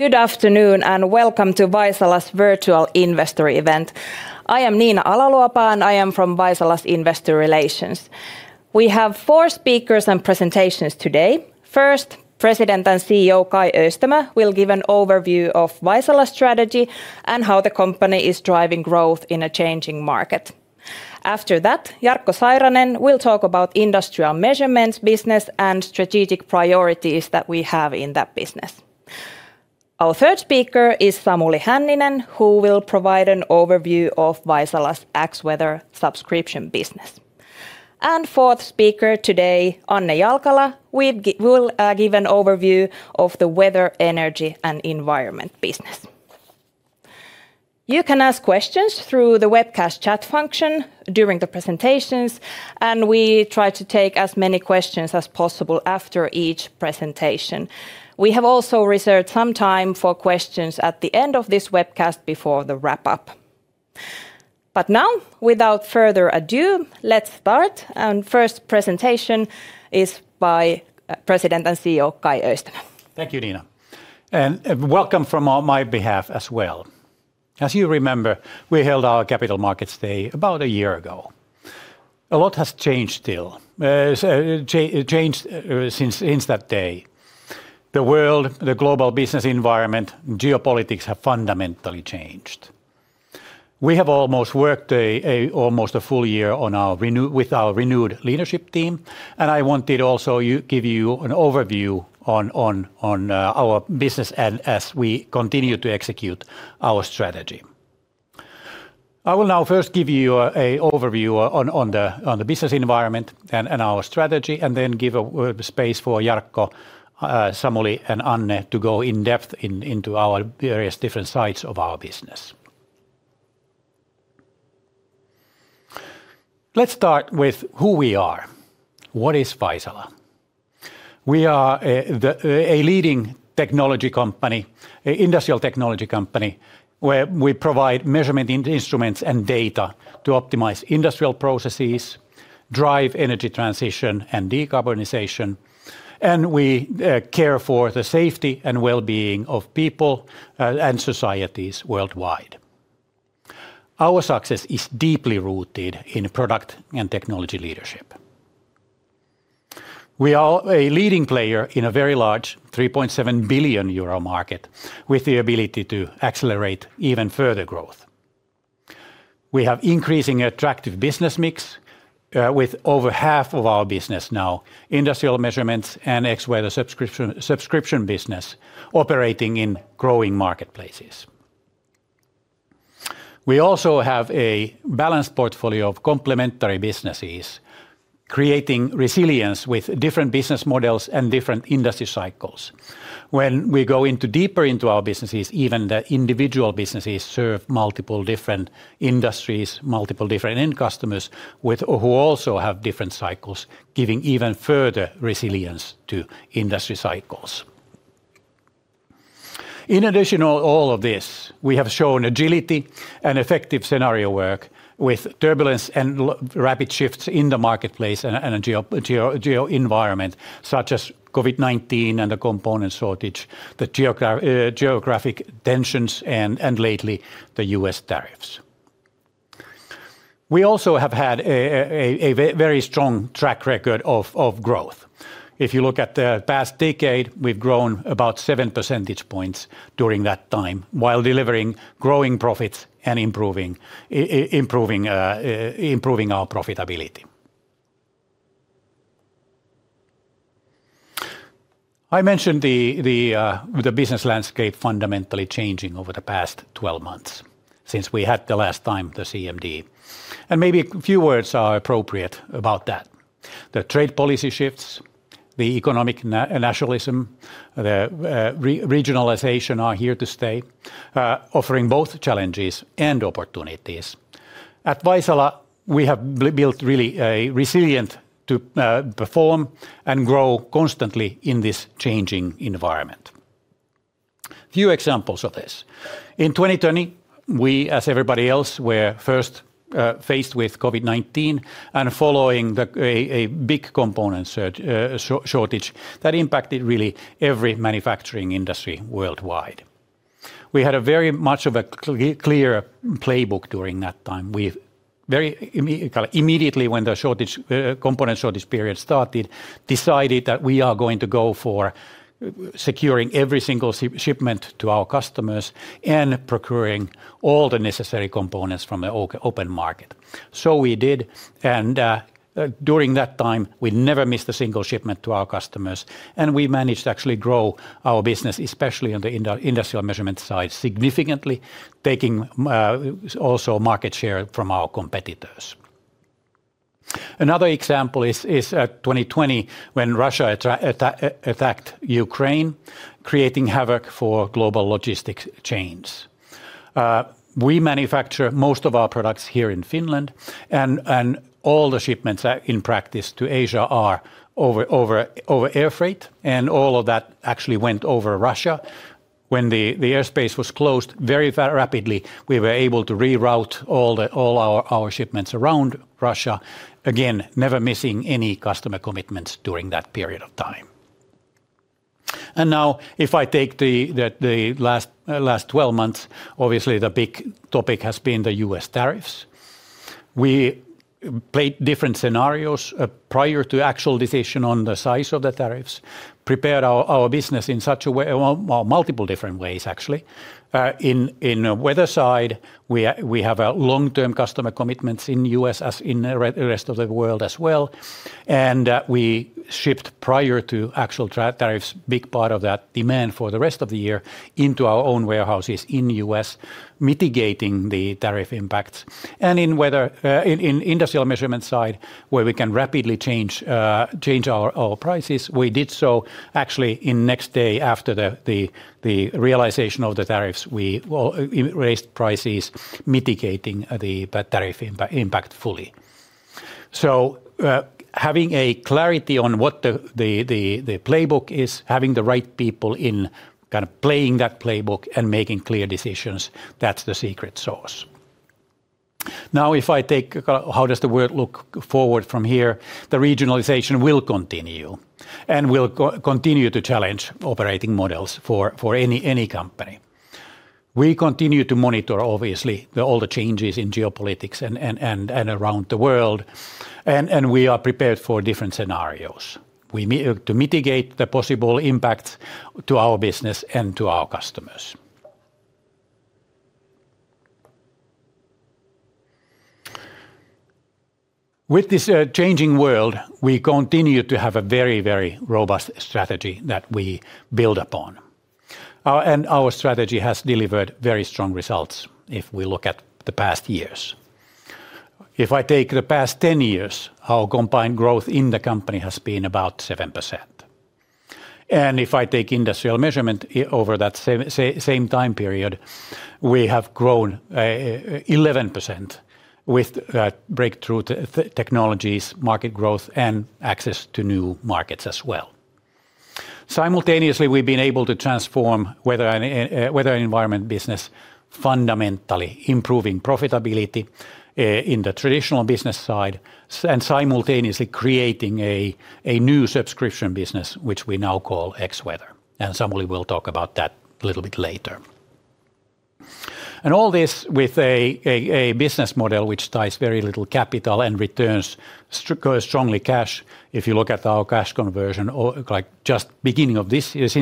Good afternoon and welcome to Vaisala's virtual investor event. I am Niina Ala-Luopa and I am from Vaisala's investor relations. We have four speakers and presentations today. First, President and CEO Kai Öistämö will give an overview of Vaisala's strategy and how the company is driving growth in a changing market. After that, Jarkko Sairanen will talk about industrial measurements, business, and strategic priorities that we have in that business. Our third speaker is Samuli Hänninen, who will provide an overview of Vaisala's X-Weather subscription business. Fourth speaker today, Anne Jalkala, will give an overview of the weather, energy, and environment business. You can ask questions through the webcast chat function during the presentations, and we try to take as many questions as possible after each presentation. We have also reserved some time for questions at the end of this webcast before the wrap-up. Now, without further ado, let's start. The first presentation is by President and CEO Kai Öistämö. Thank you, Niina. Welcome from my behalf as well. As you remember, we held our Capital Markets Day about a year ago. A lot has changed since that day. The world, the global business environment, geopolitics have fundamentally changed. We have worked almost a full year with our renewed leadership team, and I wanted also to give you an overview on our business as we continue to execute our strategy. I will now first give you an overview on the business environment and our strategy, and then give space for Jarkko, Samuli, and Anne to go in depth into our various different sides of our business. Let's start with who we are. What is Vaisala? We are a leading technology company, an industrial technology company, where we provide measurement instruments and data to optimize industrial processes, drive energy transition, and decarbonization. We care for the safety and well-being of people and societies worldwide. Our success is deeply rooted in product and technology leadership. We are a leading player in a very large 3.7 billion euro market with the ability to accelerate even further growth. We have an increasingly attractive business mix with over half of our business now, industrial measurements and X-Weather subscription business operating in growing marketplaces. We also have a balanced portfolio of complementary businesses, creating resilience with different business models and different industry cycles. When we go deeper into our businesses, even the individual businesses serve multiple different industries, multiple different end customers who also have different cycles, giving even further resilience to industry cycles. In addition to all of this, we have shown agility and effective scenario work with turbulence and rapid shifts in the marketplace and geoenvironment, such as COVID-19 and the component shortage, the geographic tensions, and lately the U.S. tariffs. We also have had a very strong track record of growth. If you look at the past decade, we've grown about 7% points during that time while delivering growing profits and improving our profitability. I mentioned the business landscape fundamentally changing over the past 12 months since we had the last time the CMD. Maybe a few words are appropriate about that. The trade policy shifts, the economic nationalism, the regionalization are here to stay, offering both challenges and opportunities. At Vaisala, we have built really a resilience to perform and grow constantly in this changing environment. A few examples of this. In 2020, we, as everybody else, were first faced with COVID-19 and following a big component shortage that impacted really every manufacturing industry worldwide. We had very much of a clear playbook during that time. We immediately, when the component shortage period started, decided that we are going to go for securing every single shipment to our customers and procuring all the necessary components from the open market. We did. During that time, we never missed a single shipment to our customers. We managed to actually grow our business, especially on the industrial measurement side, significantly, taking also market share from our competitors. Another example is 2020, when Russia attacked Ukraine, creating havoc for global logistics chains. We manufacture most of our products here in Finland, and all the shipments in practice to Asia are over air freight. All of that actually went over Russia. When the airspace was closed very rapidly, we were able to reroute all our shipments around Russia, again, never missing any customer commitments during that period of time. Now, if I take the last 12 months, obviously the big topic has been the U.S. tariffs. We played different scenarios prior to the actual decision on the size of the tariffs, prepared our business in multiple different ways, actually. In the weather side, we have long-term customer commitments in the U.S., as in the rest of the world as well. We shipped prior to actual tariffs, a big part of that demand for the rest of the year into our own warehouses in the U.S., mitigating the tariff impacts. In the industrial measurement side, where we can rapidly change our prices, we did so actually the next day after the realization of the tariffs. We raised prices, mitigating the tariff impact fully. Having clarity on what the playbook is, having the right people in kind of playing that playbook and making clear decisions, that's the secret sauce. If I take how does the world look forward from here, the regionalization will continue and will continue to challenge operating models for any company. We continue to monitor, obviously, all the changes in geopolitics and around the world. We are prepared for different scenarios to mitigate the possible impacts to our business and to our customers. With this changing world, we continue to have a very, very robust strategy that we build upon. Our strategy has delivered very strong results if we look at the past years. If I take the past 10 years, our combined growth in the company has been about 7%. If I take industrial measurement over that same time period, we have grown 11% with breakthrough technologies, market growth, and access to new markets as well. Simultaneously, we have been able to transform weather and environment business, fundamentally improving profitability in the traditional business side, and simultaneously creating a new subscription business, which we now call X-Weather. Samuli will talk about that a little bit later. All this with a business model which ties very little capital and returns strongly cash. If you look at our cash conversion, just since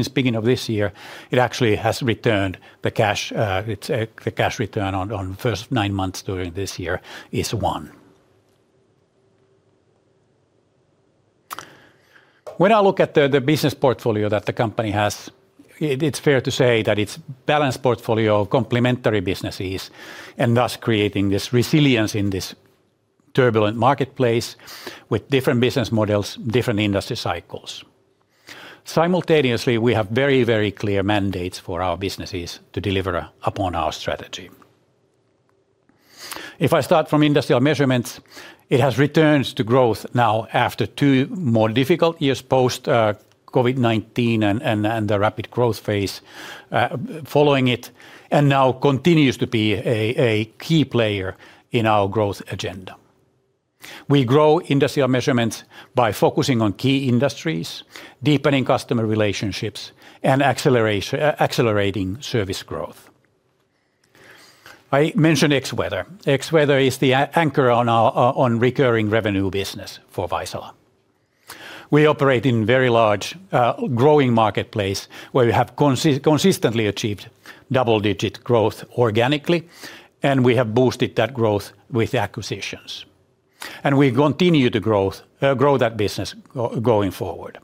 beginning of this year, it actually has returned the cash. The cash return on the first nine months during this year is one. When I look at the business portfolio that the company has, it's fair to say that it's a balanced portfolio of complementary businesses and thus creating this resilience in this turbulent marketplace with different business models, different industry cycles. Simultaneously, we have very, very clear mandates for our businesses to deliver upon our strategy. If I start from industrial measurements, it has returned to growth now after two more difficult years post-COVID-19 and the rapid growth phase following it, and now continues to be a key player in our growth agenda. We grow industrial measurements by focusing on key industries, deepening customer relationships, and accelerating service growth. I mentioned X-Weather. X-Weather is the anchor on recurring revenue business for Vaisala. We operate in a very large growing marketplace where we have consistently achieved double-digit growth organically, and we have boosted that growth with acquisitions. We continue to grow that business going forward.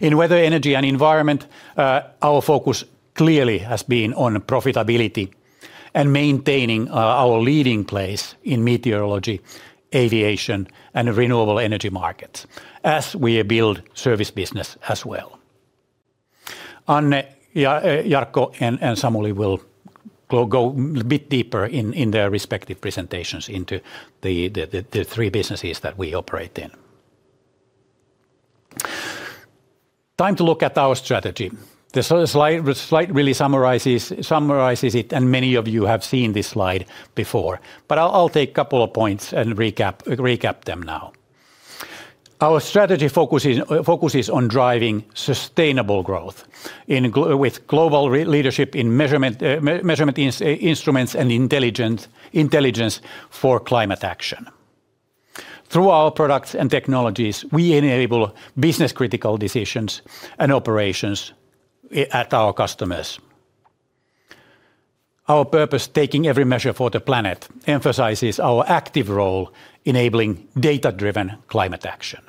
In weather, energy, and environment, our focus clearly has been on profitability and maintaining our leading place in meteorology, aviation, and renewable energy markets as we build service business as well. Anne, Jarkko, and Samuli will go a bit deeper in their respective presentations into the three businesses that we operate in. Time to look at our strategy. The slide really summarizes it, and many of you have seen this slide before. I'll take a couple of points and recap them now. Our strategy focuses on driving sustainable growth with global leadership in measurement instruments and intelligence for climate action. Through our products and technologies, we enable business-critical decisions and operations at our customers. Our purpose, taking every measure for the planet, emphasizes our active role enabling data-driven climate action.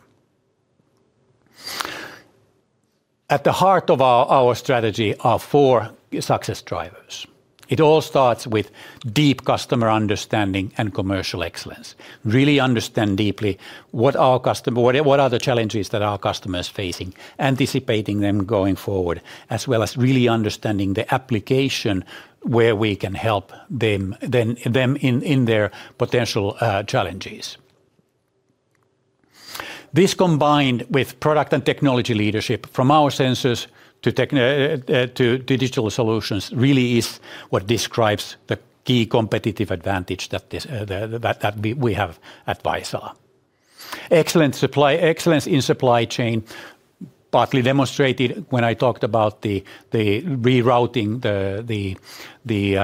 At the heart of our strategy are four success drivers. It all starts with deep customer understanding and commercial excellence. Really understand deeply what are the challenges that our customers are facing, anticipating them going forward, as well as really understanding the application where we can help them in their potential challenges. This, combined with product and technology leadership from our sensors to digital solutions, really is what describes the key competitive advantage that we have at Vaisala. Excellence in supply chain partly demonstrated when I talked about the rerouting the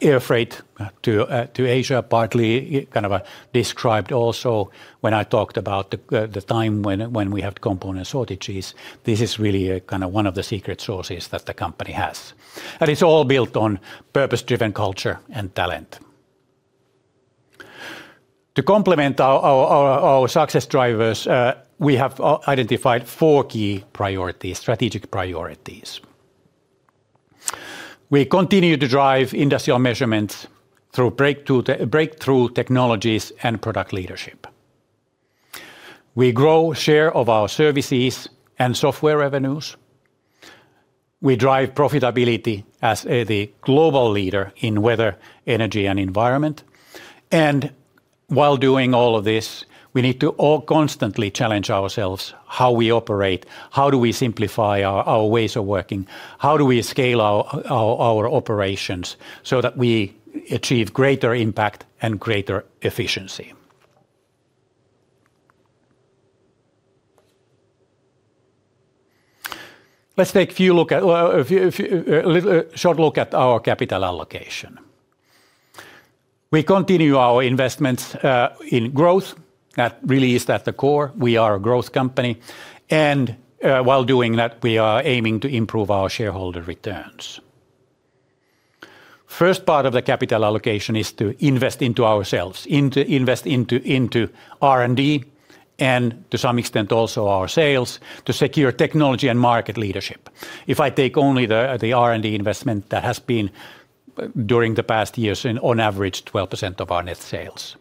air freight to Asia, partly kind of described also when I talked about the time when we had component shortages. This is really kind of one of the secret sources that the company has. It is all built on purpose-driven culture and talent. To complement our success drivers, we have identified four key strategic priorities. We continue to drive industrial measurements through breakthrough technologies and product leadership. We grow share of our services and software revenues. We drive profitability as the global leader in weather, energy, and environment. While doing all of this, we need to constantly challenge ourselves how we operate, how do we simplify our ways of working, how do we scale our operations so that we achieve greater impact and greater efficiency. Let's take a short look at our capital allocation. We continue our investments in growth that really is at the core. We are a growth company. While doing that, we are aiming to improve our shareholder returns. The first part of the capital allocation is to invest into ourselves, invest into R&D, and to some extent also our sales to secure technology and market leadership. If I take only the R&D investment that has been during the past years, on average, 12% of our net sales.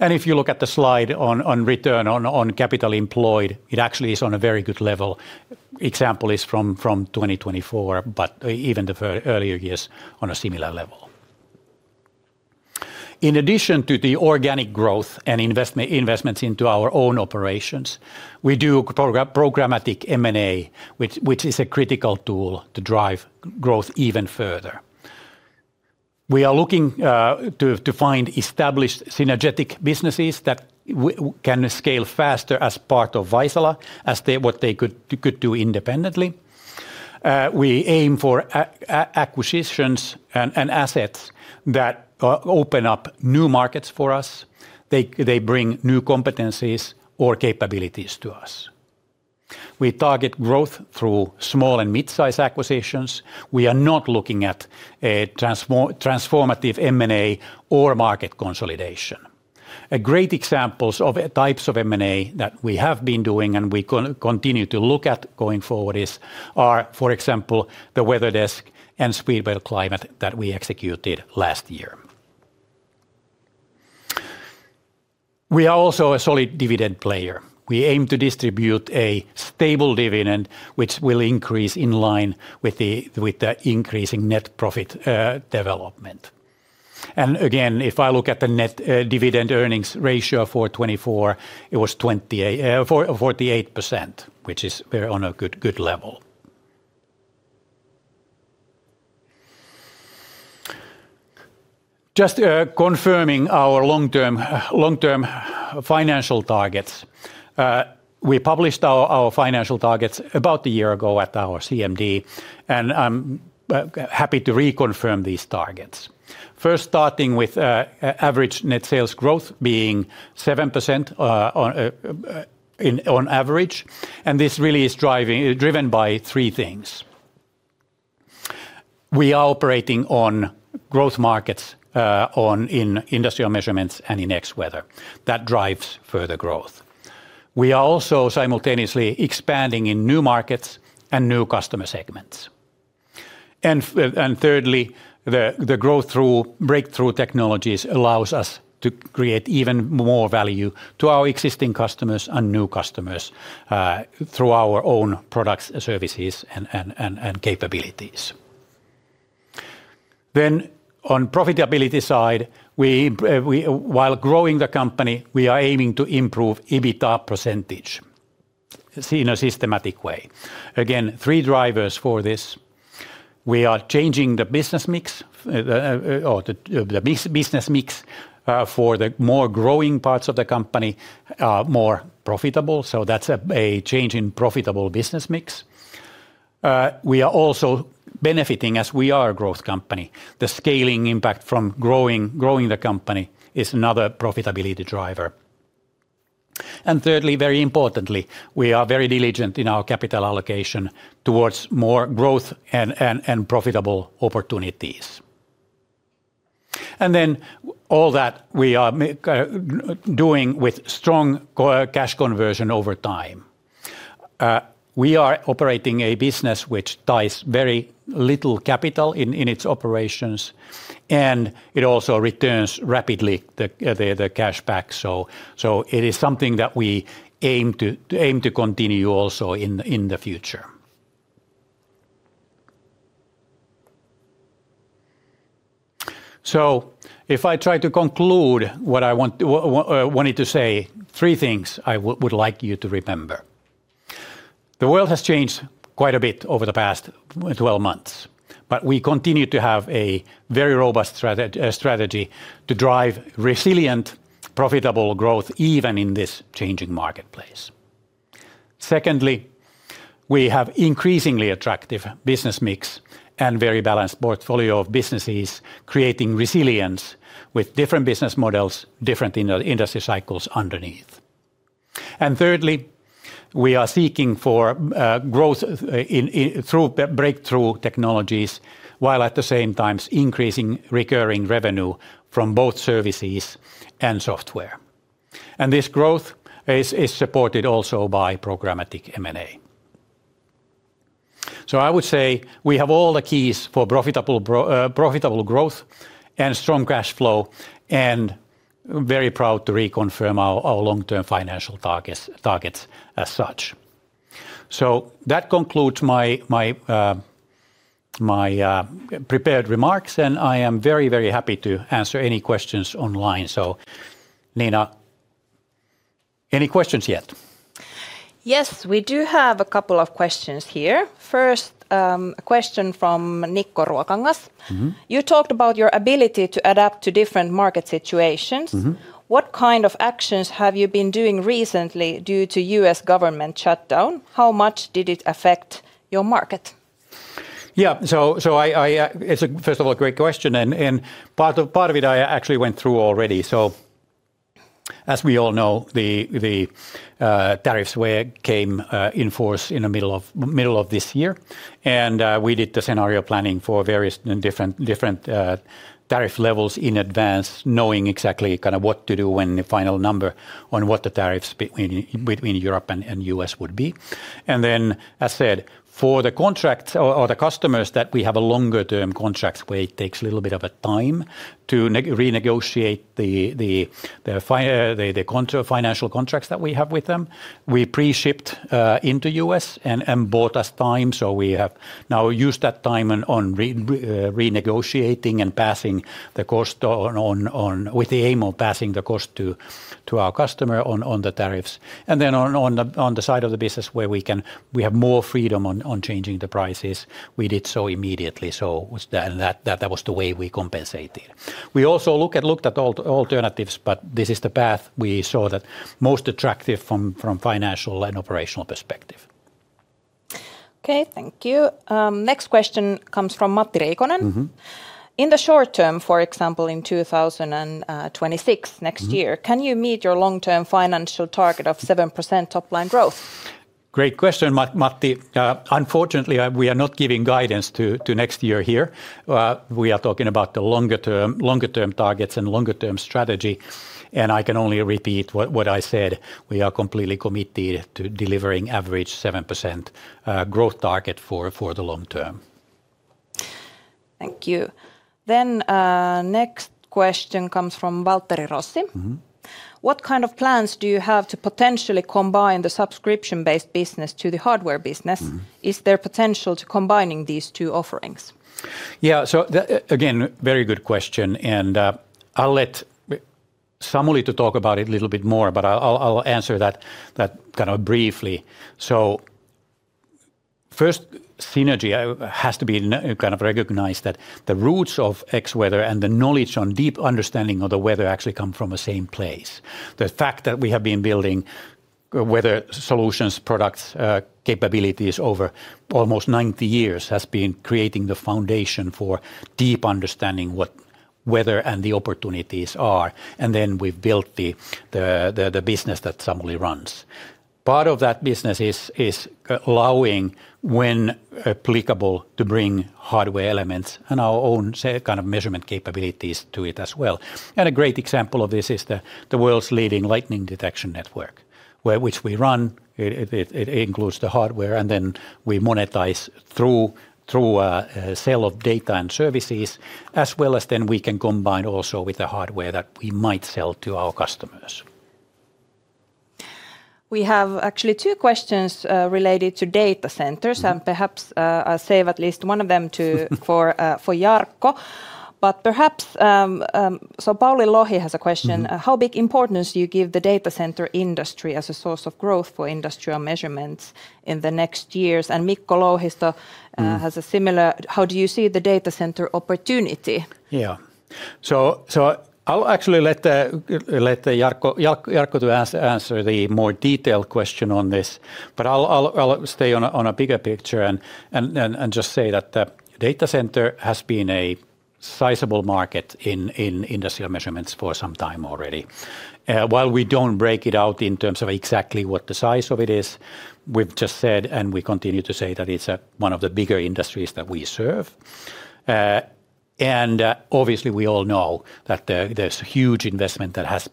If you look at the slide on return on capital employed, it actually is on a very good level. The example is from 2024, but even the earlier years are on a similar level. In addition to the organic growth and investments into our own operations, we do programmatic M&A, which is a critical tool to drive growth even further. We are looking to find established synergetic businesses that can scale faster as part of Vaisala, as what they could do independently. We aim for acquisitions and assets that open up new markets for us. They bring new competencies or capabilities to us. We target growth through small and mid-size acquisitions. We are not looking at transformative M&A or market consolidation. Great examples of types of M&A that we have been doing and we continue to look at going forward are for example, the WeatherDesk and Speedwell Climate that we executed last year. We are also a solid dividend player. We aim to distribute a stable dividend, which will increase in line with the increasing net profit development. If I look at the net dividend earnings ratio for 2024, it was 48%, which is on a good level. Just confirming our long-term financial targets. We published our financial targets about a year ago at our CMD, and I'm happy to reconfirm these targets. First, starting with average net sales growth being 7% on average. This really is driven by three things. We are operating on growth markets in industrial measurements and in X-Weather. That drives further growth. We are also simultaneously expanding in new markets and new customer segments. Thirdly, the growth through breakthrough technologies allows us to create even more value to our existing customers and new customers through our own products, services, and capabilities. On the profitability side, while growing the company, we are aiming to improve EBITDA % in a systematic way. Again, three drivers for this. We are changing the business mix, for the more growing parts of the company are more profitable. That is a change in profitable business mix. We are also benefiting as we are a growth company. The scaling impact from growing the company is another profitability driver. Thirdly, very importantly, we are very diligent in our capital allocation towards more growth and profitable opportunities. All that we are doing with strong cash conversion over time. We are operating a business which ties very little capital in its operations, and it also returns rapidly the cash back. It is something that we aim to continue also in the future. If I try to conclude what I wanted to say, three things I would like you to remember. The world has changed quite a bit over the past 12 months, but we continue to have a very robust strategy to drive resilient, profitable growth even in this changing marketplace. Secondly, we have increasingly attractive business mix and very balanced portfolio of businesses creating resilience with different business models, different industry cycles underneath. Thirdly, we are seeking for growth through breakthrough technologies while at the same time increasing recurring revenue from both services and software. This growth is supported also by programmatic M&A. I would say we have all the keys for profitable growth and strong cash flow and very proud to reconfirm our long-term financial targets as such. That concludes my prepared remarks, and I am very, very happy to answer any questions online. Niina, any questions yet? Yes, we do have a couple of questions here. First, a question from Nikko Ruokangas. You talked about your ability to adapt to different market situations. What kind of actions have you been doing recently due to U.S. government shutdown? How much did it affect your market? Yeah, it is, first of all, a great question. Part of it I actually went through already. As we all know, the tariffs came in force in the middle of this year. We did the scenario planning for various different tariff levels in advance, knowing exactly kind of what to do when the final number on what the tariffs between Europe and the U.S. would be. As said, for the contracts or the customers that we have longer-term contracts where it takes a little bit of time to renegotiate the financial contracts that we have with them, we pre-shipped into the U.S. and bought us time. We have now used that time on renegotiating and passing the cost with the aim of passing the cost to our customer on the tariffs. On the side of the business where we have more freedom on changing the prices, we did so immediately. That was the way we compensated. We also looked at alternatives, but this is the path we saw that most attractive from financial and operational perspective. Okay, thank you. Next question comes from Matti Riikonen. In the short term, for example, in 2026, next year, can you meet your long-term financial target of 7% top-line growth? Great question, Matti. Unfortunately, we are not giving guidance to next year here. We are talking about the longer-term targets and longer-term strategy. I can only repeat what I said. We are completely committed to delivering average 7% growth target for the long term. Thank you. Next question comes from Waltteri Rossi. What kind of plans do you have to potentially combine the subscription-based business to the hardware business? Is there potential to combining these two offerings? Yeah, so again, very good question. I'll let Samuli talk about it a little bit more, but I'll answer that kind of briefly. First, synergy has to be kind of recognized that the roots of X-Weather and the knowledge on deep understanding of the weather actually come from the same place. The fact that we have been building weather solutions, products, capabilities over almost 90 years has been creating the foundation for deep understanding what weather and the opportunities are. We have built the business that Samuli runs. Part of that business is allowing, when applicable, to bring hardware elements and our own kind of measurement capabilities to it as well. A great example of this is the world's leading lightning detection network, which we run. It includes the hardware, and then we monetize through a sale of data and services, as well as then we can combine also with the hardware that we might sell to our customers. We have actually two questions related to data centers, and perhaps I'll save at least one of them for Jarkko. Perhaps, so Pauli Lohi has a question. How big importance do you give the data center industry as a source of growth for industrial measurements in the next years? Mikko Louhisto has a similar. How do you see the data center opportunity? Yeah, I'll actually let Jarkko answer the more detailed question on this, but I'll stay on a bigger picture and just say that the data center has been a sizable market in industrial measurements for some time already. While we don't break it out in terms of exactly what the size of it is, we've just said, and we continue to say that it's one of the bigger industries that we serve. Obviously, we all know that there's a huge investment that has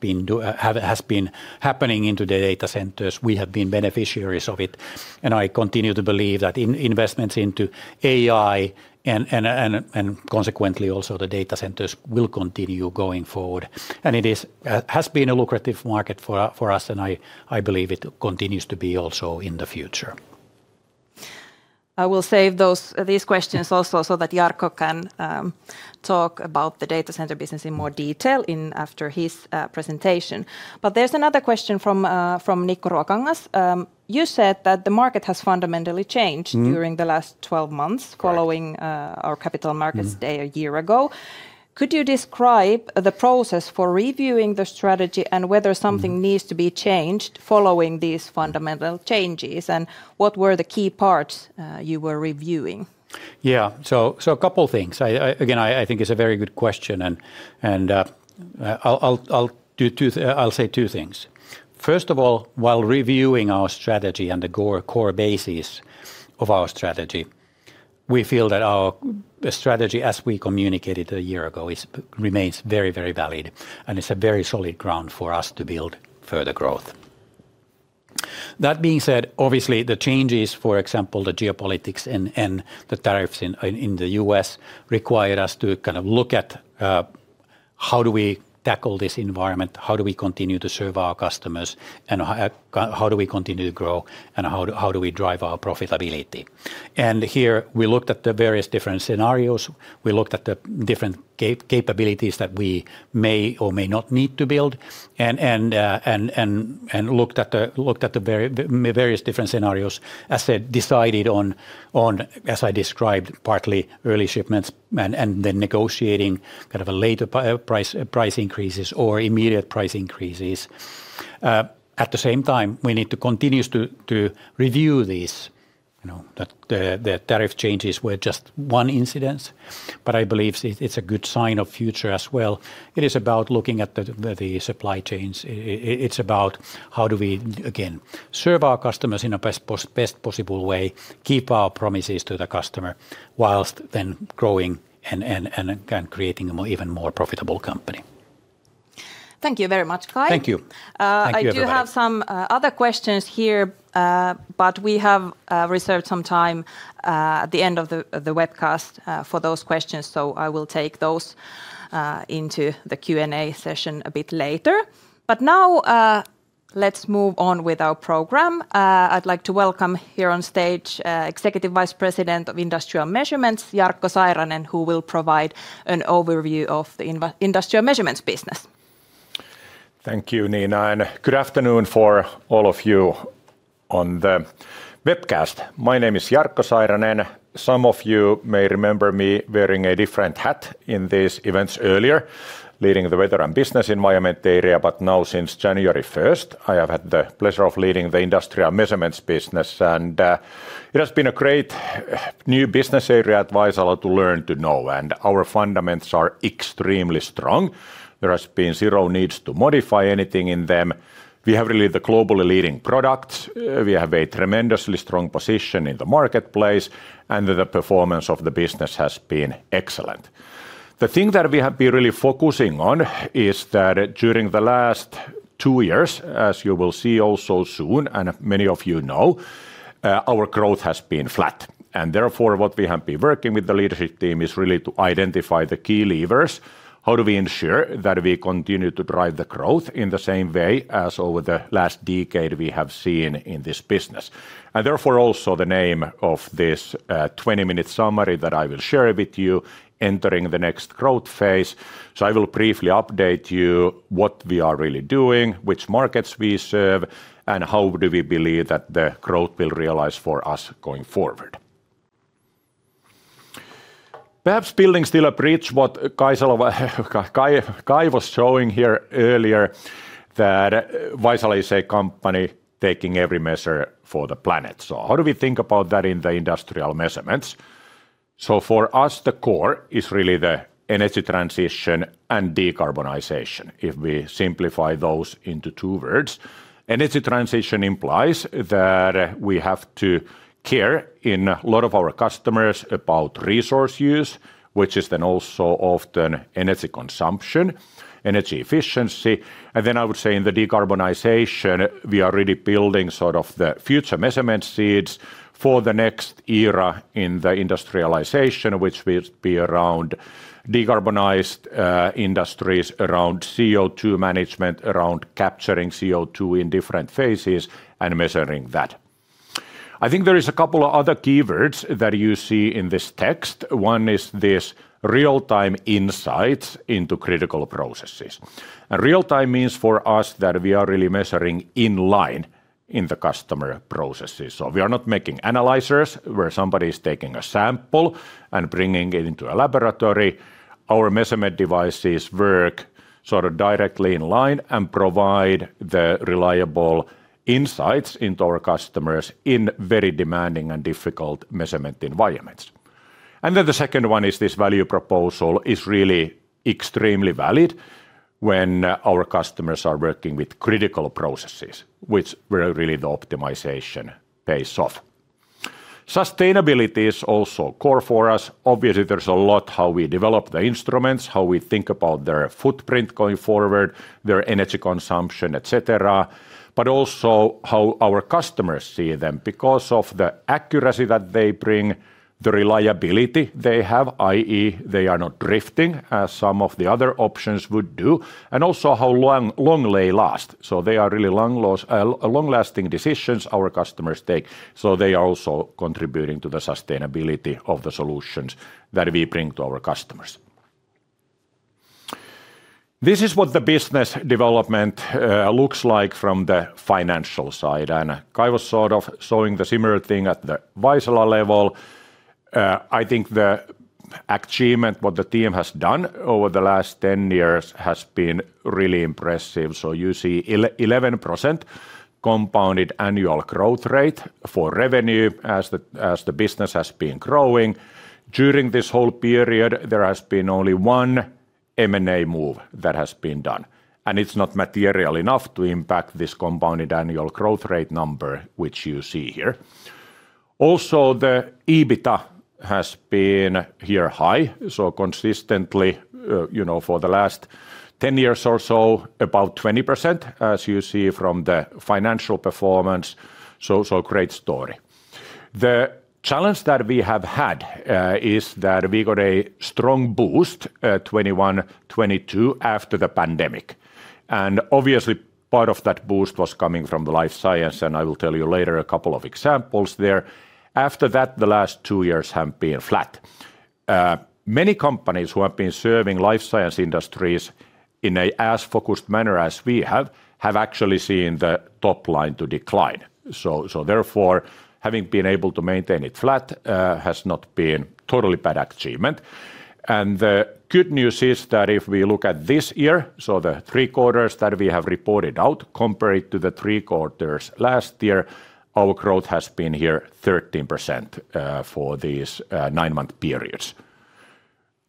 been happening into the data centers. We have been beneficiaries of it. I continue to believe that investments into AI and consequently also the data centers will continue going forward. It has been a lucrative market for us, and I believe it continues to be also in the future. I will save these questions also so that Jarkko can talk about the data center business in more detail after his presentation. There is another question from Nikko Ruokangas. You said that the market has fundamentally changed during the last 12 months following our capital markets day a year ago. Could you describe the process for reviewing the strategy and whether something needs to be changed following these fundamental changes? What were the key parts you were reviewing? Yeah, a couple of things. Again, I think it's a very good question, and I'll say two things. First of all, while reviewing our strategy and the core basis of our strategy, we feel that our strategy, as we communicated a year ago, remains very, very valid, and it's a very solid ground for us to build further growth. That being said, obviously, the changes, for example, the geopolitics and the tariffs in the U.S. require us to kind of look at how do we tackle this environment, how do we continue to serve our customers, how do we continue to grow, and how do we drive our profitability. Here we looked at the various different scenarios. We looked at the different capabilities that we may or may not need to build and looked at the various different scenarios, as I said, decided on, as I described, partly early shipments and then negotiating kind of a later price increases or immediate price increases. At the same time, we need to continue to review these. The tariff changes were just one incidence, but I believe it's a good sign of the future as well. It is about looking at the supply chains. It's about how do we, again, serve our customers in the best possible way, keep our promises to the customer, whilst then growing and creating an even more profitable company. Thank you very much, Kai. Thank you. I do have some other questions here, but we have reserved some time at the end of the webcast for those questions, so I will take those into the Q&A session a bit later. Now let's move on with our program. I'd like to welcome here on stage Executive Vice President of Industrial Measurements, Jarkko Sairanen, who will provide an overview of the industrial measurements business. Thank you, Niina, and good afternoon for all of you on the webcast. My name is Jarkko Sairanen. Some of you may remember me wearing a different hat in these events earlier, leading the weather and business environment area, but now since January 1st, I have had the pleasure of leading the industrial measurements business, and it has been a great new business area advisor to learn to know, and our fundamentals are extremely strong. There has been zero needs to modify anything in them. We have really the globally leading products. We have a tremendously strong position in the marketplace, and the performance of the business has been excellent. The thing that we have been really focusing on is that during the last two years, as you will see also soon, and many of you know, our growth has been flat. Therefore, what we have been working with the leadership team is really to identify the key levers. How do we ensure that we continue to drive the growth in the same way as over the last decade we have seen in this business? Therefore also the name of this 20-minute summary that I will share with you entering the next growth phase. I will briefly update you what we are really doing, which markets we serve, and how do we believe that the growth will realize for us going forward. Perhaps building still a bridge to what Kai was showing here earlier, that Vaisala is a company taking every measure for the planet. How do we think about that in the industrial measurements? For us, the core is really the energy transition and decarbonization. If we simplify those into two words, energy transition implies that we have to care in a lot of our customers about resource use, which is then also often energy consumption, energy efficiency. I would say in the decarbonization, we are really building sort of the future measurement seeds for the next era in the industrialization, which will be around decarbonized industries, around CO2 management, around capturing CO2 in different phases and measuring that. I think there is a couple of other keywords that you see in this text. One is this real-time insights into critical processes. Real-time means for us that we are really measuring in line in the customer processes. We are not making analyzers where somebody is taking a sample and bringing it into a laboratory. Our measurement devices work sort of directly in line and provide the reliable insights into our customers in very demanding and difficult measurement environments. The second one is this value proposal is really extremely valid when our customers are working with critical processes, which were really the optimization phase of. Sustainability is also core for us. Obviously, there is a lot how we develop the instruments, how we think about their footprint going forward, their energy consumption, etc., but also how our customers see them because of the accuracy that they bring, the reliability they have, i.e., they are not drifting as some of the other options would do, and also how long they last. They are really long-lasting decisions our customers take. They are also contributing to the sustainability of the solutions that we bring to our customers. This is what the business development looks like from the financial side. Kai was sort of showing the similar thing at the Vaisala level. I think the achievement, what the team has done over the last 10 years has been really impressive. You see 11% compounded annual growth rate for revenue as the business has been growing. During this whole period, there has been only one M&A move that has been done. It is not material enough to impact this compounded annual growth rate number, which you see here. Also, the EBITDA has been here high. Consistently for the last 10 years or so, about 20%, as you see from the financial performance. Great story. The challenge that we have had is that we got a strong boost 2021-2022 after the pandemic. Obviously, part of that boost was coming from the life science, and I will tell you later a couple of examples there. After that, the last two years have been flat. Many companies who have been serving life science industries in an as-focused manner as we have have actually seen the top line decline. Therefore, having been able to maintain it flat has not been a totally bad achievement. The good news is that if we look at this year, the three quarters that we have reported out, compared to the three quarters last year, our growth has been here 13% for these nine-month periods.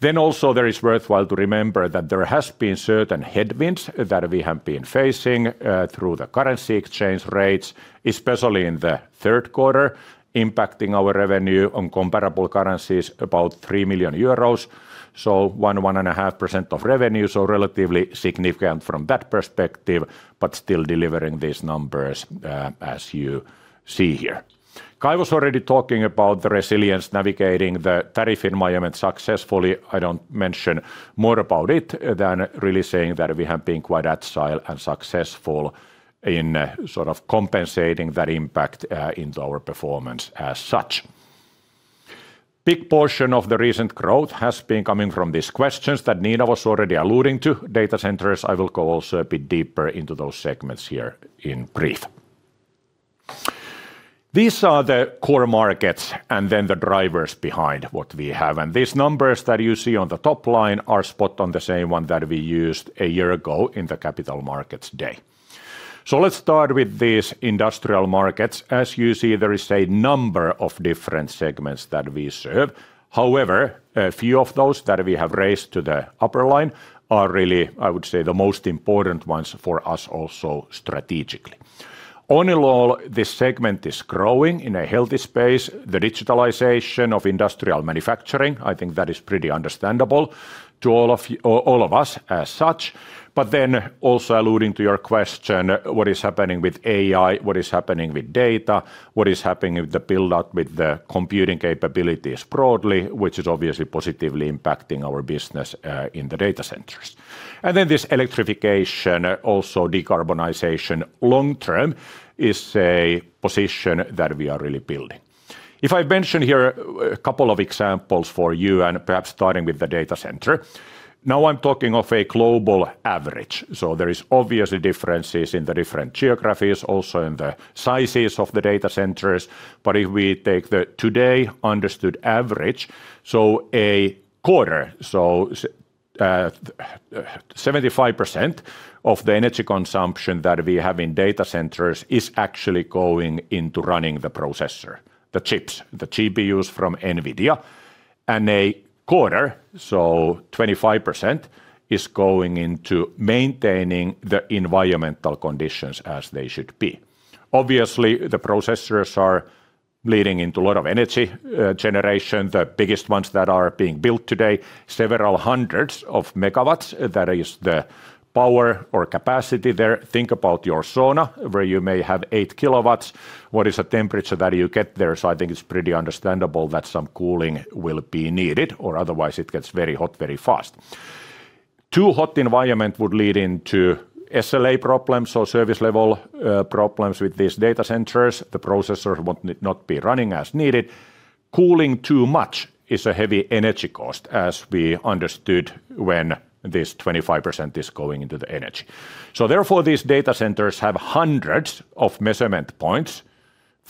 It is also worthwhile to remember that there have been certain headwinds that we have been facing through the currency exchange rates, especially in the third quarter, impacting our revenue on comparable currencies about 3 million euros. So 1%-1.5% of revenue, relatively significant from that perspective, but still delivering these numbers as you see here. Kai was already talking about the resilience navigating the tariff environment successfully. I do not mention more about it than really saying that we have been quite agile and successful in sort of compensating that impact into our performance as such. A big portion of the recent growth has been coming from these questions that Niina was already alluding to. Data centers, I will go also a bit deeper into those segments here in brief. These are the core markets and then the drivers behind what we have. And these numbers that you see on the top line are spot on the same one that we used a year ago in the capital markets day. Let's start with these industrial markets. As you see, there is a number of different segments that we serve. However, a few of those that we have raised to the upper line are really, I would say, the most important ones for us also strategically. All in all, this segment is growing in a healthy space. The digitalization of industrial manufacturing, I think that is pretty understandable to all of us as such. Also alluding to your question, what is happening with AI, what is happening with data, what is happening with the build-up with the computing capabilities broadly, which is obviously positively impacting our business in the data centers. This electrification, also decarbonization long-term, is a position that we are really building. If I mention here a couple of examples for you, and perhaps starting with the data center, now I'm talking of a global average. There are obviously differences in the different geographies, also in the sizes of the data centers. If we take the today understood average, so a quarter, so 75% of the energy consumption that we have in data centers is actually going into running the processor, the chips, the GPUs from NVIDIA. A quarter, so 25%, is going into maintaining the environmental conditions as they should be. Obviously, the processors are leading into a lot of energy generation, the biggest ones that are being built today, several hundreds of megawatts that is the power or capacity there. Think about your sauna where you may have 8 kW. What is the temperature that you get there? I think it's pretty understandable that some cooling will be needed, or otherwise it gets very hot very fast. Too hot environment would lead into SLA problems, so service level problems with these data centers. The processors won't not be running as needed. Cooling too much is a heavy energy cost, as we understood when this 25% is going into the energy. Therefore, these data centers have hundreds of measurement points.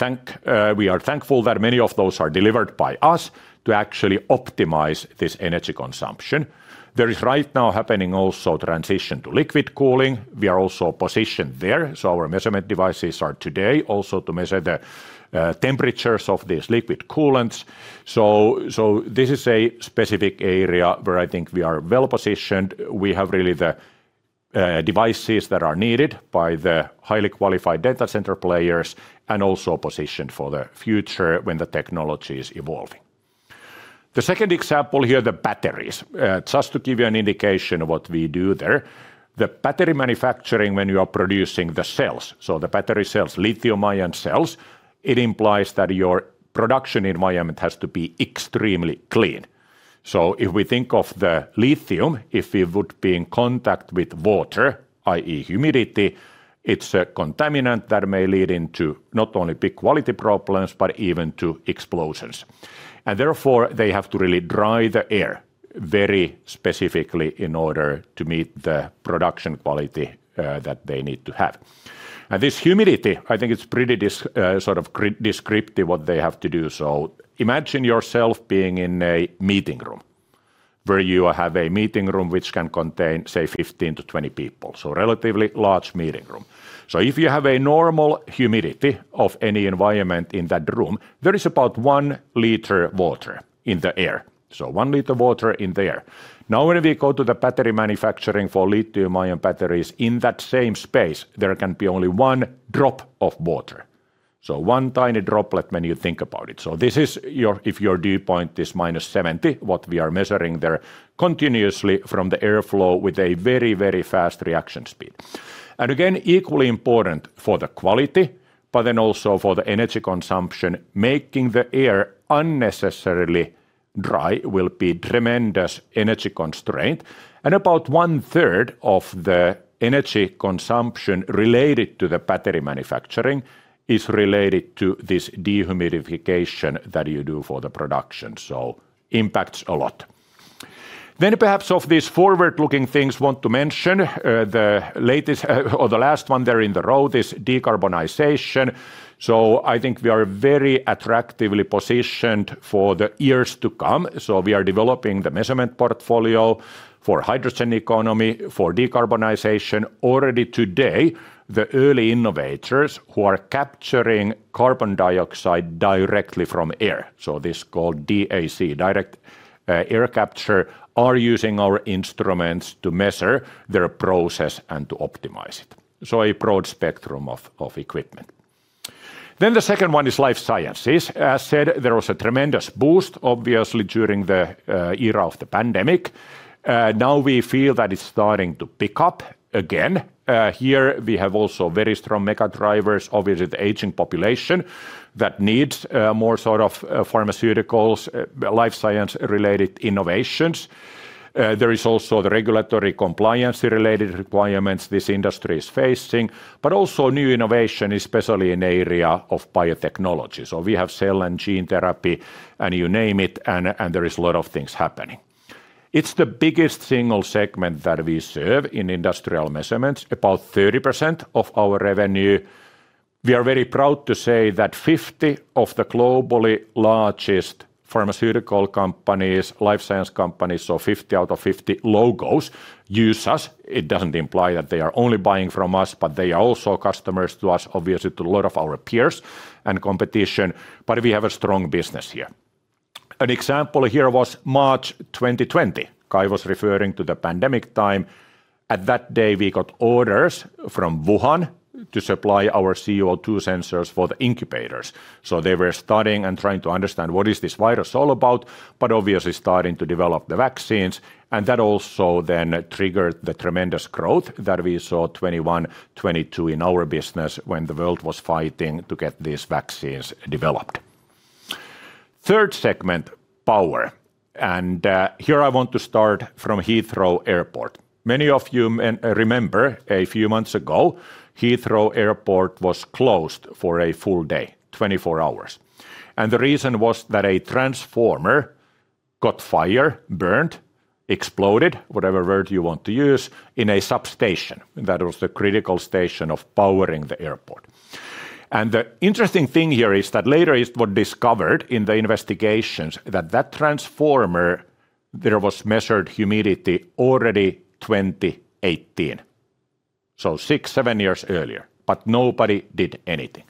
We are thankful that many of those are delivered by us to actually optimize this energy consumption. There is right now happening also transition to liquid cooling. We are also positioned there. Our measurement devices are today also to measure the temperatures of these liquid coolants. This is a specific area where I think we are well positioned. We have really the devices that are needed by the highly qualified data center players and also positioned for the future when the technology is evolving. The second example here, the batteries, just to give you an indication of what we do there. The battery manufacturing, when you are producing the cells, so the battery cells, lithium-ion cells, it implies that your production environment has to be extremely clean. If we think of the lithium, if it would be in contact with water, i.e., humidity, it's a contaminant that may lead into not only big quality problems, but even to explosions. Therefore, they have to really dry the air very specifically in order to meet the production quality that they need to have. This humidity, I think it's pretty sort of descriptive what they have to do. Imagine yourself being in a meeting room where you have a meeting room which can contain, say, 15-20 people, so relatively large meeting room. If you have a normal humidity of any environment in that room, there is about 1 L water in the air, so 1 L water in the air. Now, when we go to the battery manufacturing for lithium-ion batteries in that same space, there can be only one drop of water, so one tiny droplet when you think about it. This is your, if your dew point is -70, what we are measuring there continuously from the airflow with a very, very fast reaction speed. Again, equally important for the quality, but then also for the energy consumption, making the air unnecessarily dry will be tremendous energy constraint. About 1/3 of the energy consumption related to the battery manufacturing is related to this dehumidification that you do for the production. Impacts a lot. Perhaps of these forward-looking things, I want to mention the latest or the last one there in the row is decarbonization. I think we are very attractively positioned for the years to come. We are developing the measurement portfolio for hydrogen economy, for decarbonization already today. The early innovators who are capturing carbon dioxide directly from air, so this is called DAC, direct air capture, are using our instruments to measure their process and to optimize it. A broad spectrum of equipment. The second one is life sciences. As said, there was a tremendous boost, obviously, during the era of the pandemic. Now we feel that it's starting to pick up again. Here we have also very strong mega drivers, obviously the aging population that needs more sort of pharmaceuticals, life science-related innovations. There is also the regulatory compliance-related requirements this industry is facing, but also new innovation, especially in the area of biotechnology. We have cell and gene therapy and you name it, and there is a lot of things happening. It is the biggest single segment that we serve in industrial measurements, about 30% of our revenue. We are very proud to say that 50 of the globally largest pharmaceutical companies, life science companies, so 50 out of 50 logos use us. It does not imply that they are only buying from us, but they are also customers to us, obviously to a lot of our peers and competition. We have a strong business here. An example here was March 2020. Kai was referring to the pandemic time. At that day, we got orders from Wuhan to supply our CO2 sensors for the incubators. They were studying and trying to understand what is this virus all about, but obviously starting to develop the vaccines. That also then triggered the tremendous growth that we saw 2021-2022 in our business when the world was fighting to get these vaccines developed. Third segment, power. Here I want to start from Heathrow Airport. Many of you remember a few months ago, Heathrow Airport was closed for a full day, 24 hours. The reason was that a transformer got fire, burned, exploded, whatever word you want to use, in a substation that was the critical station of powering the airport. The interesting thing here is that later it was discovered in the investigations that that transformer, there was measured humidity already 2018, so six, seven years earlier, but nobody did anything.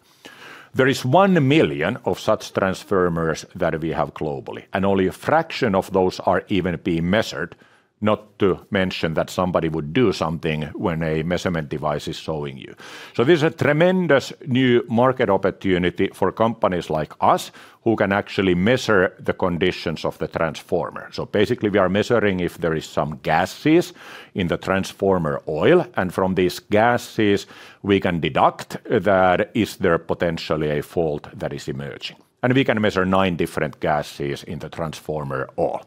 There is one million of such transformers that we have globally, and only a fraction of those are even being measured, not to mention that somebody would do something when a measurement device is showing you. This is a tremendous new market opportunity for companies like us who can actually measure the conditions of the transformer. Basically, we are measuring if there are some gases in the transformer oil, and from these gases, we can deduct that is there potentially a fault that is emerging. We can measure nine different gases in the transformer oil.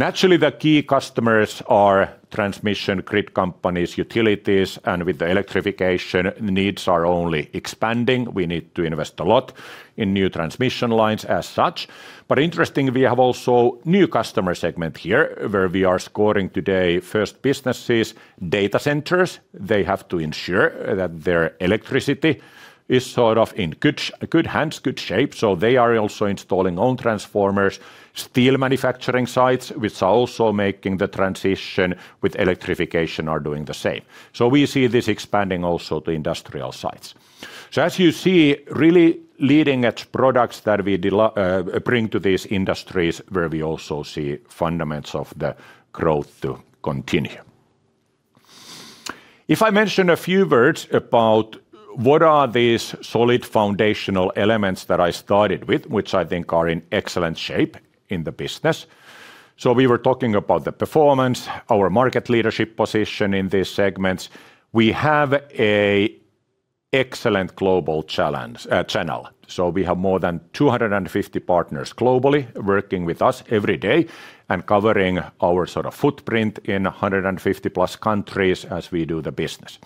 Naturally, the key customers are transmission grid companies, utilities, and with the electrification, needs are only expanding. We need to invest a lot in new transmission lines as such. Interestingly, we have also a new customer segment here where we are scoring today first businesses, data centers. They have to ensure that their electricity is sort of in good hands, good shape. They are also installing own transformers, steel manufacturing sites, which are also making the transition with electrification, are doing the same. We see this expanding also to industrial sites. As you see, really leading-edge products that we bring to these industries where we also see fundamentals of the growth to continue. If I mention a few words about what are these solid foundational elements that I started with, which I think are in excellent shape in the business. We were talking about the performance, our market leadership position in these segments. We have an excellent global channel. We have more than 250 partners globally working with us every day and covering our sort of footprint in 150 plus countries as we do the business.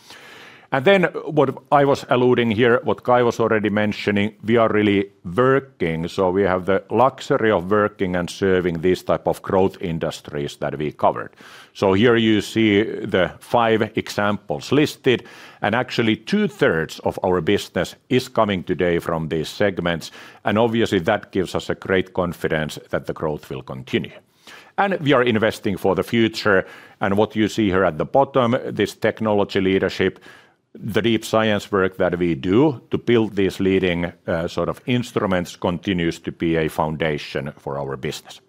What I was alluding to here, what Kai was already mentioning, we are really working. We have the luxury of working and serving these types of growth industries that we covered. Here you see the five examples listed, and actually 2/3 of our business is coming today from these segments. Obviously, that gives us great confidence that the growth will continue. We are investing for the future. What you see here at the bottom, this technology leadership, the deep science work that we do to build these leading sort of instruments, continues to be a foundation for our business.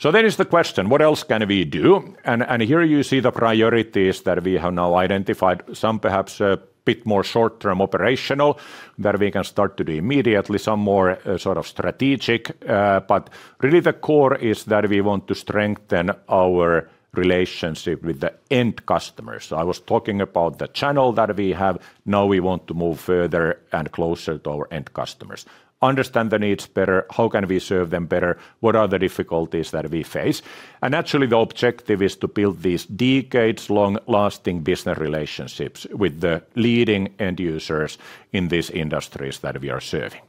Then is the question, what else can we do? Here you see the priorities that we have now identified, some perhaps a bit more short-term operational that we can start to do immediately, some more sort of strategic. The core is that we want to strengthen our relationship with the end customers. I was talking about the channel that we have. Now we want to move further and closer to our end customers, understand the needs better. How can we serve them better? What are the difficulties that we face? Actually, the objective is to build these decades-long lasting business relationships with the leading end users in these industries that we are serving.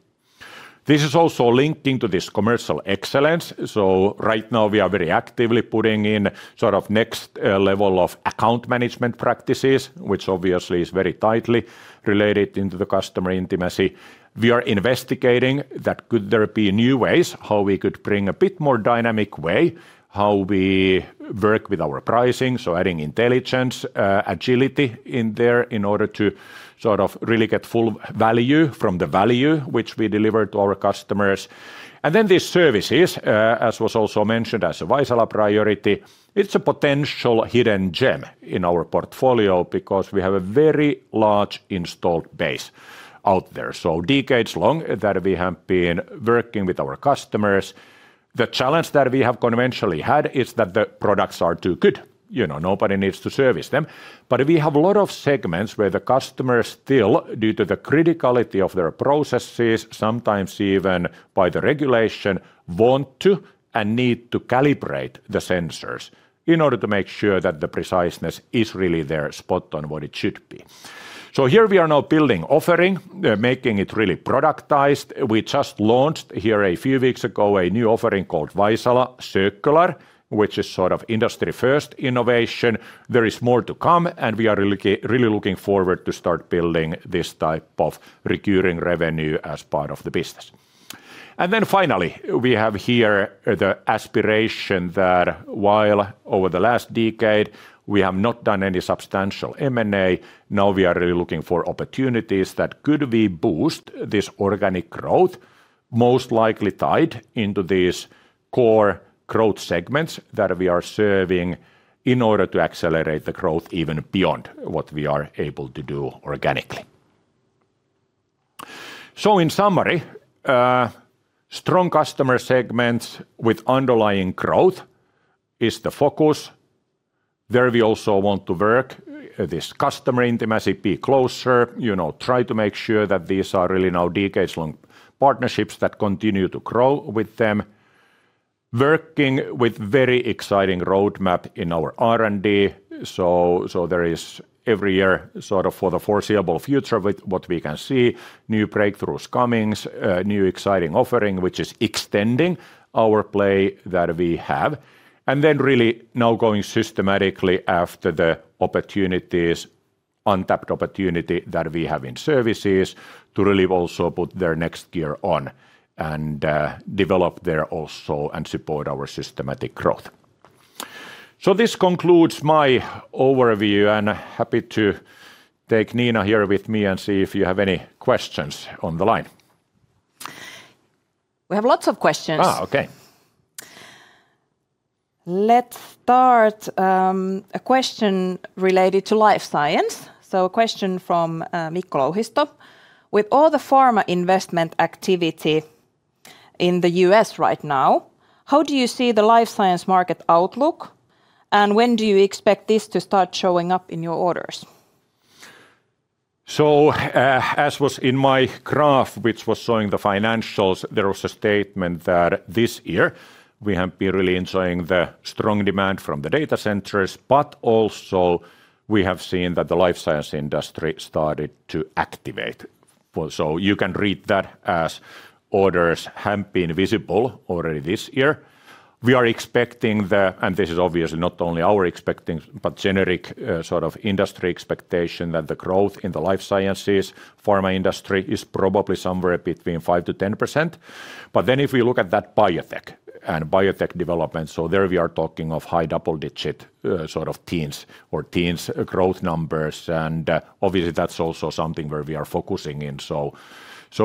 This is also linking to this commercial excellence. Right now, we are very actively putting in sort of next level of account management practices, which obviously is very tightly related into the customer intimacy. We are investigating that could there be new ways how we could bring a bit more dynamic way how we work with our pricing, adding intelligence, agility in there in order to sort of really get full value from the value which we deliver to our customers. These services, as was also mentioned as a Vaisala priority, it's a potential hidden gem in our portfolio because we have a very large installed base out there. Decades long that we have been working with our customers. The challenge that we have conventionally had is that the products are too good. Nobody needs to service them. We have a lot of segments where the customers still, due to the criticality of their processes, sometimes even by the regulation, want to and need to calibrate the sensors in order to make sure that the preciseness is really there, spot on what it should be. Here we are now building offering, making it really productized. We just launched here a few weeks ago a new offering called Vaisala Circular, which is sort of industry-first innovation. There is more to come, and we are really looking forward to start building this type of recurring revenue as part of the business. Finally, we have here the aspiration that while over the last decade we have not done any substantial M&A, now we are really looking for opportunities that could boost this organic growth, most likely tied into these core growth segments that we are serving in order to accelerate the growth even beyond what we are able to do organically. In summary, strong customer segments with underlying growth is the focus where we also want to work, this customer intimacy, be closer, try to make sure that these are really now decades-long partnerships that continue to grow with them, working with very exciting roadmap in our R&D. There is every year sort of for the foreseeable future with what we can see, new breakthroughs coming, new exciting offering, which is extending our play that we have. Now going systematically after the opportunities, untapped opportunity that we have in services to really also put their next gear on and develop there also and support our systematic growth. This concludes my overview, and I'm happy to take Niina here with me and see if you have any questions on the line. We have lots of questions. okay. Let's start a question related to life science. A question from Mikko Louhisto. With all the pharma investment activity in the U.S. right now, how do you see the life science market outlook, and when do you expect this to start showing up in your orders? As was in my graph, which was showing the financials, there was a statement that this year we have been really enjoying the strong demand from the data centers, but also we have seen that the life science industry started to activate. You can read that as orders have been visible already this year. We are expecting the, and this is obviously not only our expecting, but generic sort of industry expectation that the growth in the life sciences, pharma industry is probably somewhere between 5%-10%. If we look at that biotech and biotech development, there we are talking of high double-digit sort of teens or teens growth numbers, and obviously that's also something where we are focusing in.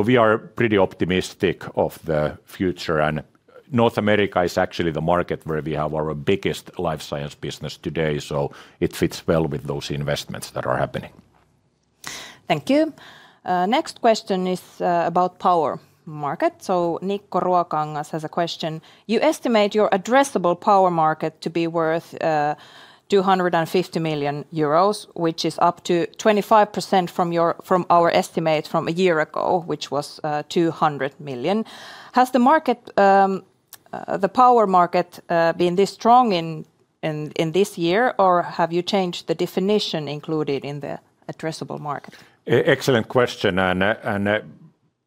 We are pretty optimistic of the future, and North America is actually the market where we have our biggest life science business today, so it fits well with those investments that are happening. Thank you. Next question is about power market. Nikko Ruokangas has a question. You estimate your addressable power market to be worth 250 million euros, which is up 25% from our estimate from a year ago, which was 200 million. Has the power market been this strong in this year, or have you changed the definition included in the addressable market? Excellent question.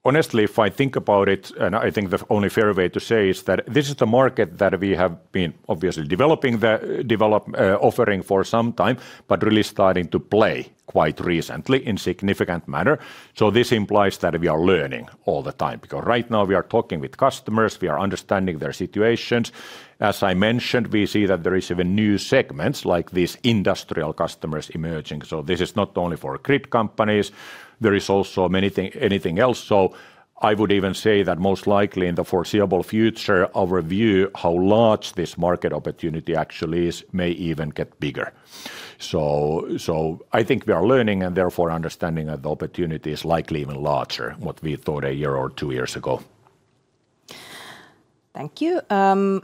Honestly, if I think about it, I think the only fair way to say is that this is the market that we have been obviously developing the offering for some time, but really starting to play quite recently in significant manner. This implies that we are learning all the time because right now we are talking with customers, we are understanding their situations. As I mentioned, we see that there are even new segments like these industrial customers emerging. This is not only for grid companies, there is also many things, anything else. I would even say that most likely in the foreseeable future, our view how large this market opportunity actually is may even get bigger. I think we are learning and therefore understanding that the opportunity is likely even larger than what we thought a year or two years ago. Thank you. A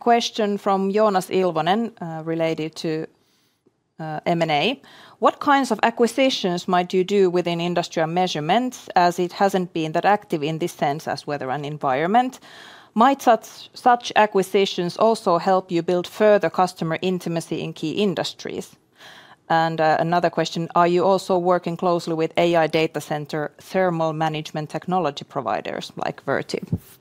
question from Joonas Ilvonen related to M&A. What kinds of acquisitions might you do within industrial measurements as it has not been that active in this sense as weather and environment? Might such acquisitions also help you build further customer intimacy in key industries? Another question, are you also working closely with AI data center thermal management technology providers like Vertiv?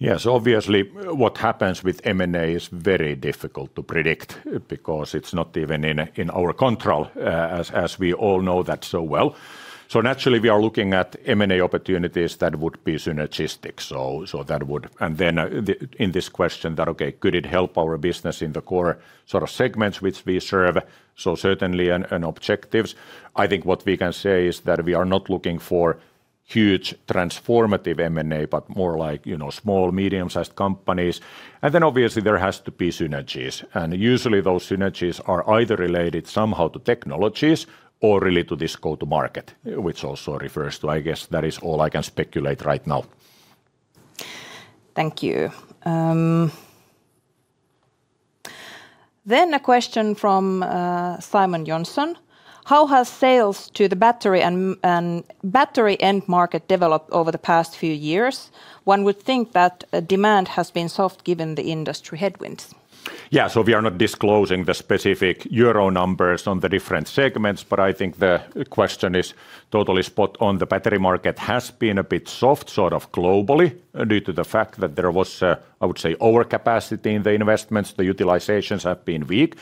Yes, obviously what happens with M&A is very difficult to predict because it's not even in our control as we all know that so well. Naturally we are looking at M&A opportunities that would be synergistic. That would, and then in this question that, okay, could it help our business in the core sort of segments which we serve? Certainly an objective. I think what we can say is that we are not looking for huge transformative M&A, but more like small, medium-sized companies. Obviously there has to be synergies. Usually those synergies are either related somehow to technologies or really to this go-to-market, which also refers to, I guess that is all I can speculate right now. Thank you. A question from Simon Jonsson. How has sales to the battery and battery end market developed over the past few years? One would think that demand has been soft given the industry headwinds. Yeah, we are not disclosing the specific euro numbers on the different segments, but I think the question is totally spot on. The battery market has been a bit soft globally due to the fact that there was, I would say, overcapacity in the investments. The utilizations have been weak.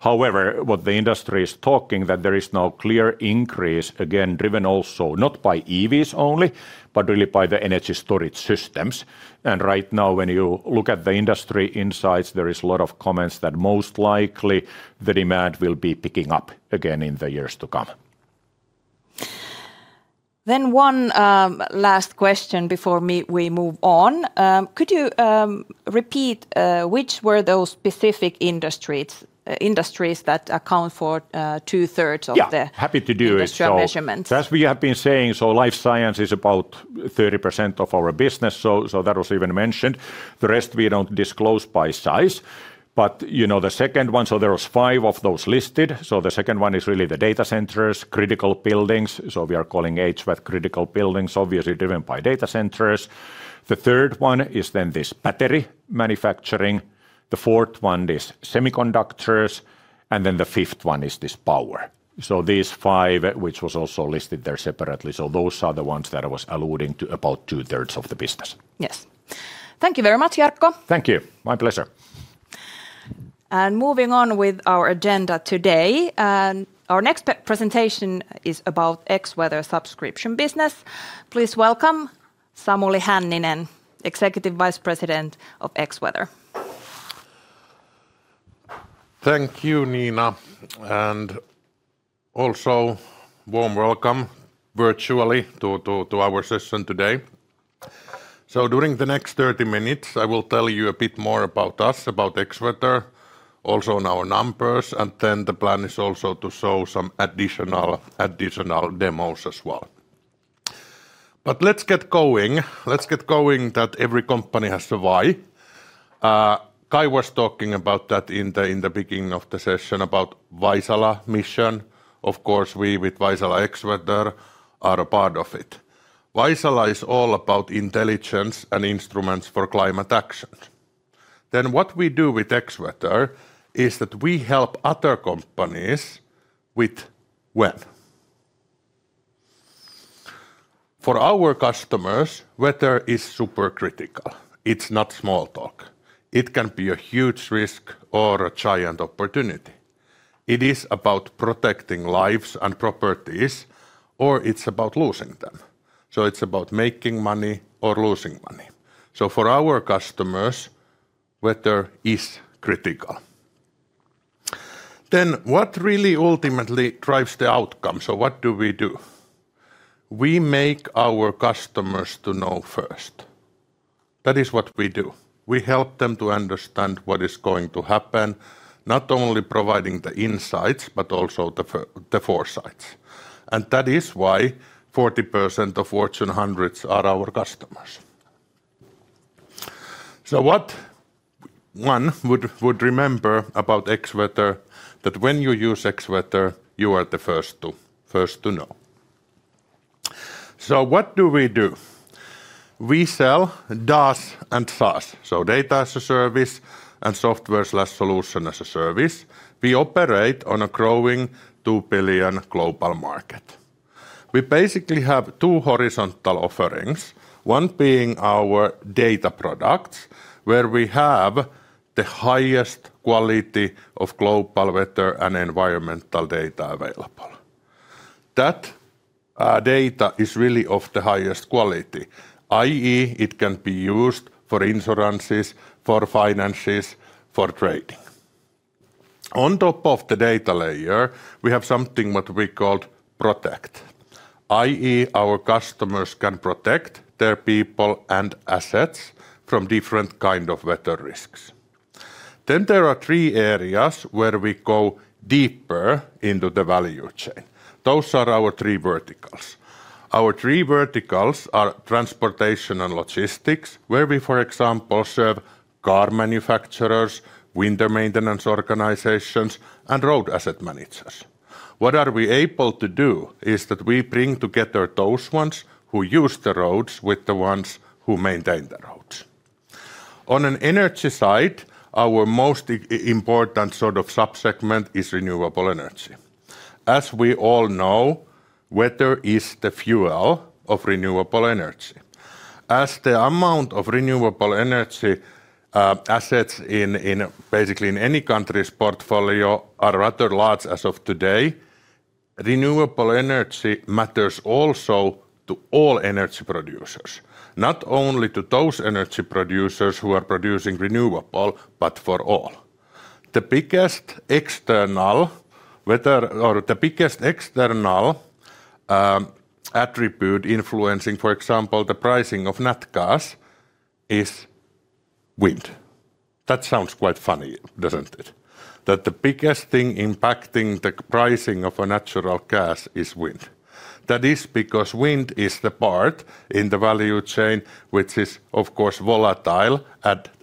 However, what the industry is talking about is that there is now a clear increase, again, driven also not by EVs only, but really by the energy storage systems. Right now, when you look at the industry insights, there are a lot of comments that most likely the demand will be picking up again in the years to come. One last question before we move on. Could you repeat which were those specific industries that account for 2/3 of the industrial measurements? Yeah, happy to do it. As we have been saying, life science is about 30% of our business, so that was even mentioned. The rest we do not disclose by size. The second one, there were five of those listed. The second one is really the data centers, critical buildings. We are calling HVAC critical buildings, obviously driven by data centers. The third one is then this battery manufacturing. The fourth one is semiconductors, and the fifth one is this power. These five, which were also listed there separately, are the ones that I was alluding to about two-thirds of the business. Yes. Thank you very much, Jarkko. Thank you. My pleasure. Moving on with our agenda today, our next presentation is about X-Weather subscription business. Please welcome Samuli Hänninen, Executive Vice President of X-Weather. Thank you, Niina. Also, warm welcome virtually to our session today. During the next 30 minutes, I will tell you a bit more about us, about X-Weather, also on our numbers, and the plan is also to show some additional demos as well. Let's get going. Every company has a why. Kai was talking about that in the beginning of the session about Vaisala mission. Of course, we with Vaisala X-Weather are a part of it. Vaisala is all about intelligence and instruments for climate action. What we do with X-Weather is that we help other companies with when. For our customers, weather is super critical. It's not small talk. It can be a huge risk or a giant opportunity. It is about protecting lives and properties, or it's about losing them. It's about making money or losing money. For our customers, weather is critical. What really ultimately drives the outcome? What do we do? We make our customers know first. That is what we do. We help them to understand what is going to happen, not only providing the insights, but also the foresights. That is why 40% of Fortune 100s are our customers. What one would remember about X-Weather is that when you use X-Weather, you are the first to know. What do we do? We sell DaaS and SaaS, so data as a service and software slash solution as a service. We operate on a growing 2 billion global market. We basically have two horizontal offerings, one being our data products where we have the highest quality of global weather and environmental data available. That data is really of the highest quality, i.e. It can be used for insurances, for finances, for trading. On top of the data layer, we have something what we called Protect, i.e. our customers can protect their people and assets from different kinds of weather risks. There are three areas where we go deeper into the value chain. Those are our three verticals. Our three verticals are transportation and logistics, where we, for example, serve car manufacturers, winter maintenance organizations, and road asset managers. What we are able to do is that we bring together those ones who use the roads with the ones who maintain the roads. On an energy side, our most important sort of subsegment is renewable energy. As we all know, weather is the fuel of renewable energy. As the amount of renewable energy assets in basically any country's portfolio are rather large as of today, renewable energy matters also to all energy producers, not only to those energy producers who are producing renewable, but for all. The biggest external attribute influencing, for example, the pricing of natural gas is wind. That sounds quite funny, doesn't it? That the biggest thing impacting the pricing of a natural gas is wind. That is because wind is the part in the value chain which is, of course, volatile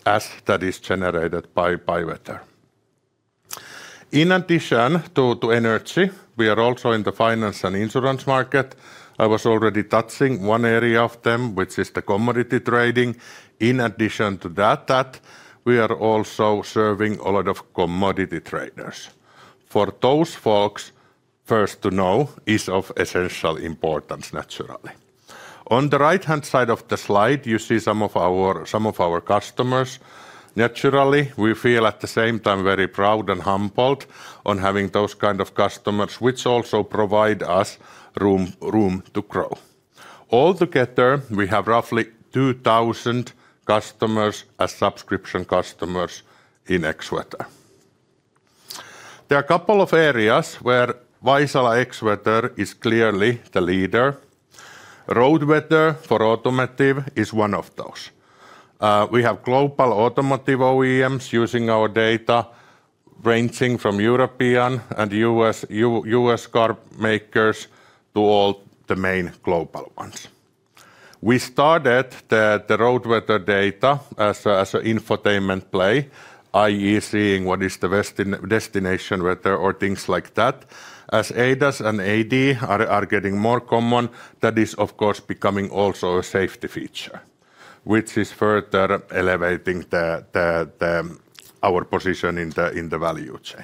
as that is generated by weather. In addition to energy, we are also in the finance and insurance market. I was already touching one area of them, which is the commodity trading. In addition to that, we are also serving a lot of commodity traders. For those folks, first to know is of essential importance, naturally. On the right-hand side of the slide, you see some of our customers. Naturally, we feel at the same time very proud and humbled on having those kinds of customers, which also provide us room to grow. Altogether, we have roughly 2,000 customers as subscription customers in X-Weather. There are a couple of areas where Vaisala X-Weather is clearly the leader. Road weather for automotive is one of those. We have global automotive OEMs using our data, ranging from European and U.S. car makers to all the main global ones. We started the road weather data as an infotainment play, i.e. seeing what is the destination weather or things like that. As ADAS and AD are getting more common, that is, of course, becoming also a safety feature, which is further elevating our position in the value chain.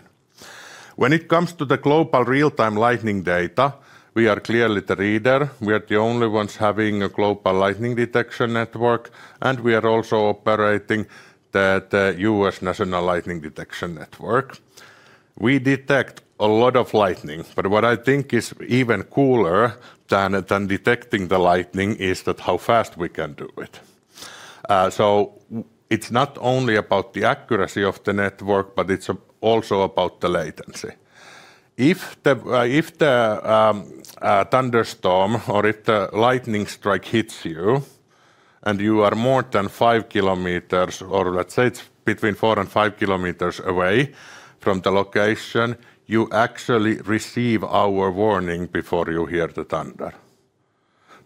When it comes to the global real-time lightning data, we are clearly the leader. We are the only ones having a global lightning detection network, and we are also operating the U.S. national lightning detection network. We detect a lot of lightning, but what I think is even cooler than detecting the lightning is how fast we can do it. It is not only about the accuracy of the network, but it is also about the latency. If the thunderstorm or if the lightning strike hits you and you are more than 5 km, or let's say it is between 4 km and 5 km away from the location, you actually receive our warning before you hear the thunder.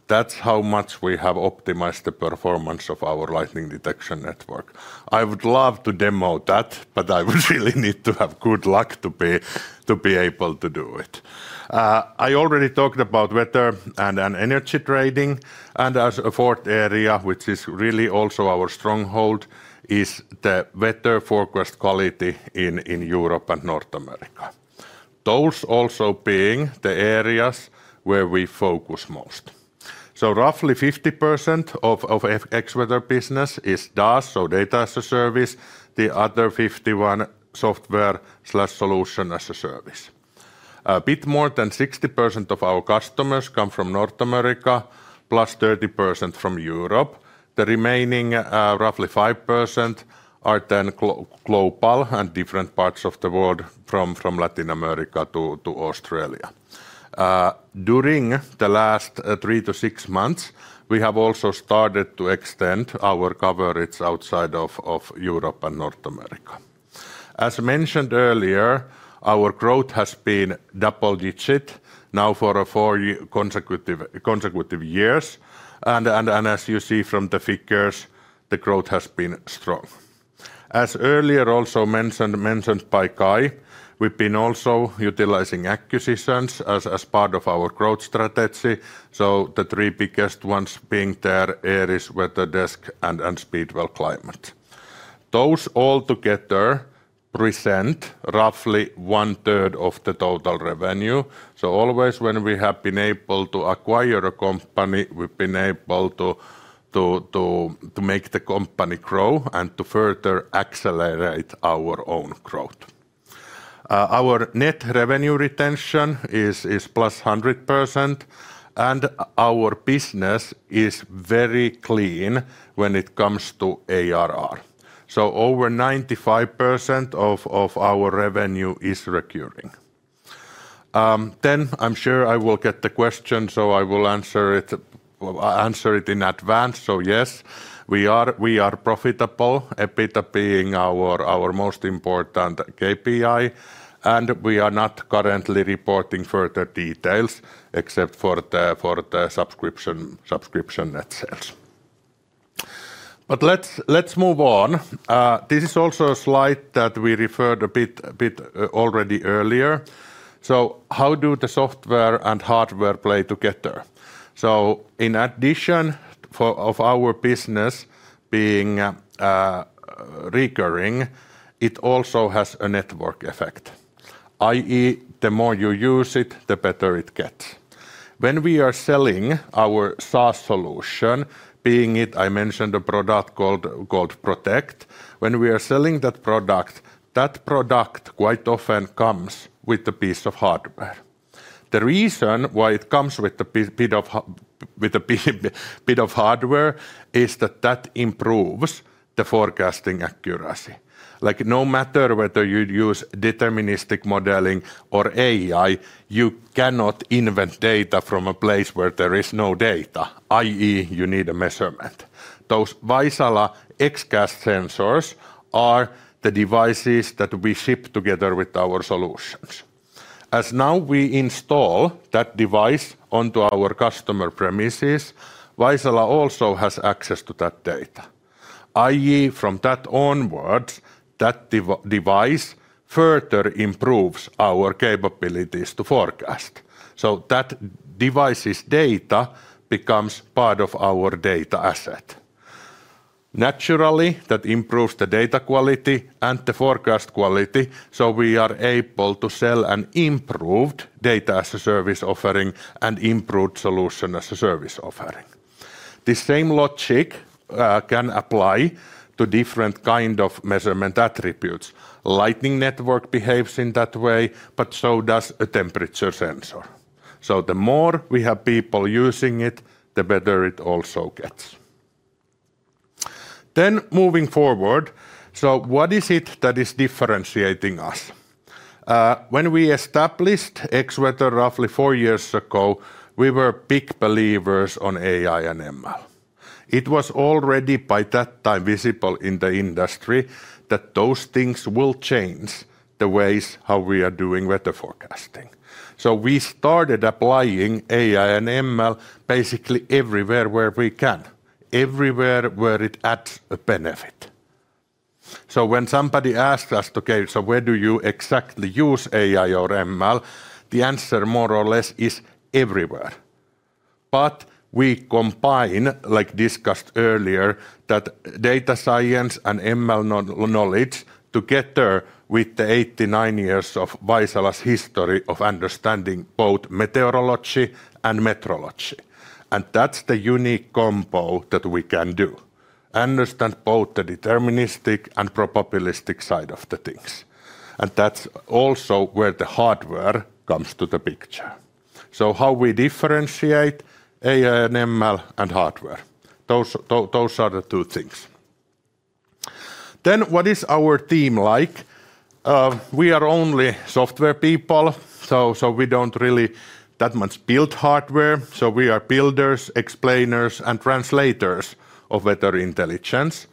That is how much we have optimized the performance of our lightning detection network. I would love to demo that, but I would really need to have good luck to be able to do it. I already talked about weather and energy trading, and as a fourth area, which is really also our stronghold, is the weather forecast quality in Europe and North America. Those also being the areas where we focus most. Roughly 50% of X-Weather business is DaaS, so data as a service, the other 51% software slash solution as a service. A bit more than 60% of our customers come from North America, +30% from Europe. The remaining roughly 5% are then global and different parts of the world from Latin America to Australia. During the last three to six months, we have also started to extend our coverage outside of Europe and North America. As mentioned earlier, our growth has been double-digit now for four consecutive years. As you see from the figures, the growth has been strong. As earlier also mentioned by Kai, we've been also utilizing acquisitions as part of our growth strategy. The three biggest ones being there are WeatherDesk and Speedwell Climate. Those all together present roughly 1/3 of the total revenue. Always when we have been able to acquire a company, we've been able to make the company grow and to further accelerate our own growth. Our net revenue retention is +100%, and our business is very clean when it comes to ARR. Over 95% of our revenue is recurring. I am sure I will get the question, so I will answer it in advance. Yes, we are profitable, EBITDA being our most important KPI, and we are not currently reporting further details except for the subscription net sales. Let's move on. This is also a slide that we referred to a bit already earlier. How do the software and hardware play together? In addition to our business being recurring, it also has a network effect, i.e. the more you use it, the better it gets. When we are selling our SaaS solution, being it, I mentioned a product called Protect. When we are selling that product, that product quite often comes with a piece of hardware. The reason why it comes with a bit of hardware is that that improves the forecasting accuracy. No matter whether you use deterministic modeling or AI, you cannot invent data from a place where there is no data, i.e. you need a measurement. Those Vaisala X-Cast sensors are the devices that we ship together with our solutions. As now we install that device onto our customer premises, Vaisala also has access to that data. i.e. from that onwards, that device further improves our capabilities to forecast. That device's data becomes part of our data asset. Naturally, that improves the data quality and the forecast quality, so we are able to sell an improved data as a service offering and improved solution as a service offering. The same logic can apply to different kinds of measurement attributes. Lightning network behaves in that way, but so does a temperature sensor. The more we have people using it, the better it also gets. Moving forward, what is it that is differentiating us? When we established X-Weather roughly four years ago, we were big believers in AI and ML. It was already by that time visible in the industry that those things will change the ways how we are doing weather forecasting. We started applying AI and ML basically everywhere where we can, everywhere where it adds a benefit. When somebody asks us, okay, so where do you exactly use AI or ML, the answer more or less is everywhere. We combine, like discussed earlier, that data science and ML knowledge together with the 89 years of Vaisala's history of understanding both meteorology and metrology. That's the unique combo that we can do. Understand both the deterministic and probabilistic side of the things. That's also where the hardware comes to the picture. How we differentiate AI and ML and hardware. Those are the two things. What is our team like? We are only software people, so we don't really that much build hardware. We are builders, explainers, and translators of weather intelligence.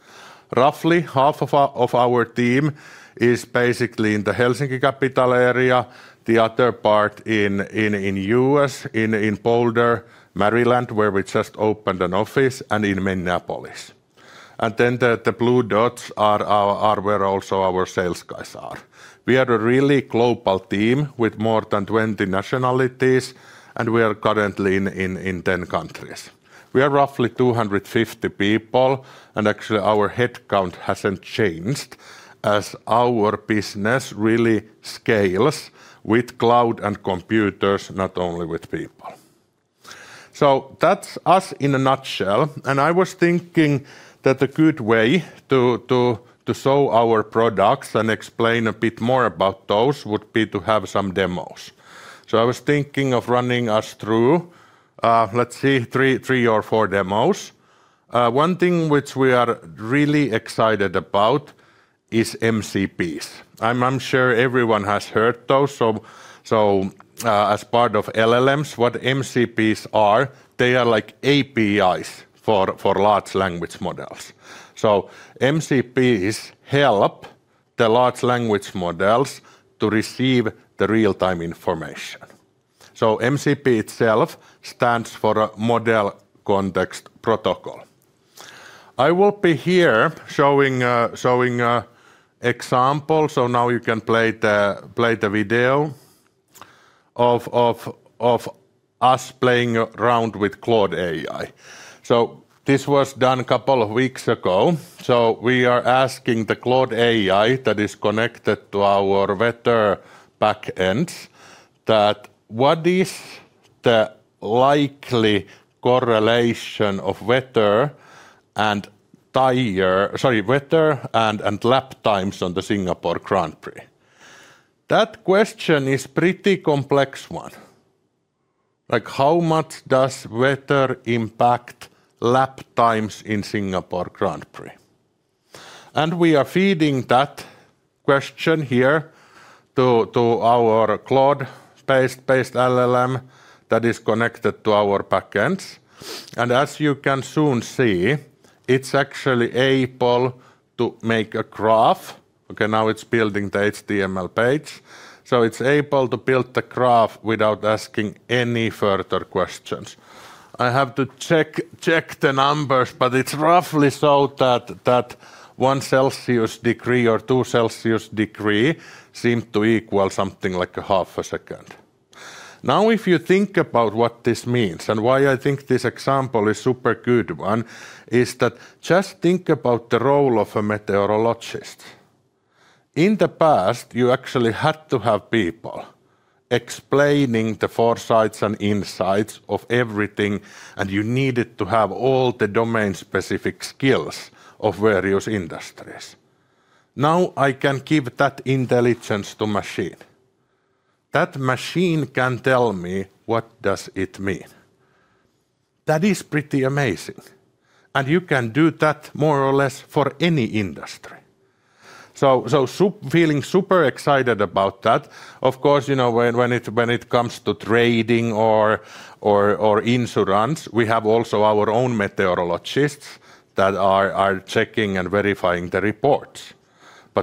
Roughly half of our team is basically in the Helsinki capital area, the other part in the U.S., in Boulder, Maryland, where we just opened an office, and in Minneapolis. The blue dots are where also our sales guys are. We are a really global team with more than 20 nationalities, and we are currently in 10 countries. We are roughly 250 people, and actually our headcount hasn't changed as our business really scales with cloud and computers, not only with people. That's us in a nutshell. I was thinking that a good way to show our products and explain a bit more about those would be to have some demos. I was thinking of running us through, let's see, three or four demos. One thing which we are really excited about is MCPs. I'm sure everyone has heard those. As part of LLMs, what MCPs are, they are like APIs for large language models. MCPs help the large language models to receive the real-time information. MCP itself stands for Model Context Protocol. I will be here showing an example. Now you can play the video of us playing around with Claude AI. This was done a couple of weeks ago. We are asking the Claude AI that is connected to our weather backends what is the likely correlation of weather and lap times on the Singapore Grand Prix? That question is a pretty complex one. How much does weather impact lap times in Singapore Grand Prix? We are feeding that question here to our Claude-based LLM that is connected to our backends. As you can soon see, it is actually able to make a graph. Okay, now it is building the HTML page. It is able to build the graph without asking any further questions. I have to check the numbers, but it's roughly so that one degree Celsius or two degrees Celsius seem to equal something like half a second. Now, if you think about what this means and why I think this example is a super good one, just think about the role of a meteorologist. In the past, you actually had to have people explaining the foresights and insights of everything, and you needed to have all the domain-specific skills of various industries. Now I can give that intelligence to a machine. That machine can tell me what does it mean. That is pretty amazing. You can do that more or less for any industry. I am feeling super excited about that, of course, when it comes to trading or insurance, we have also our own meteorologists that are checking and verifying the reports.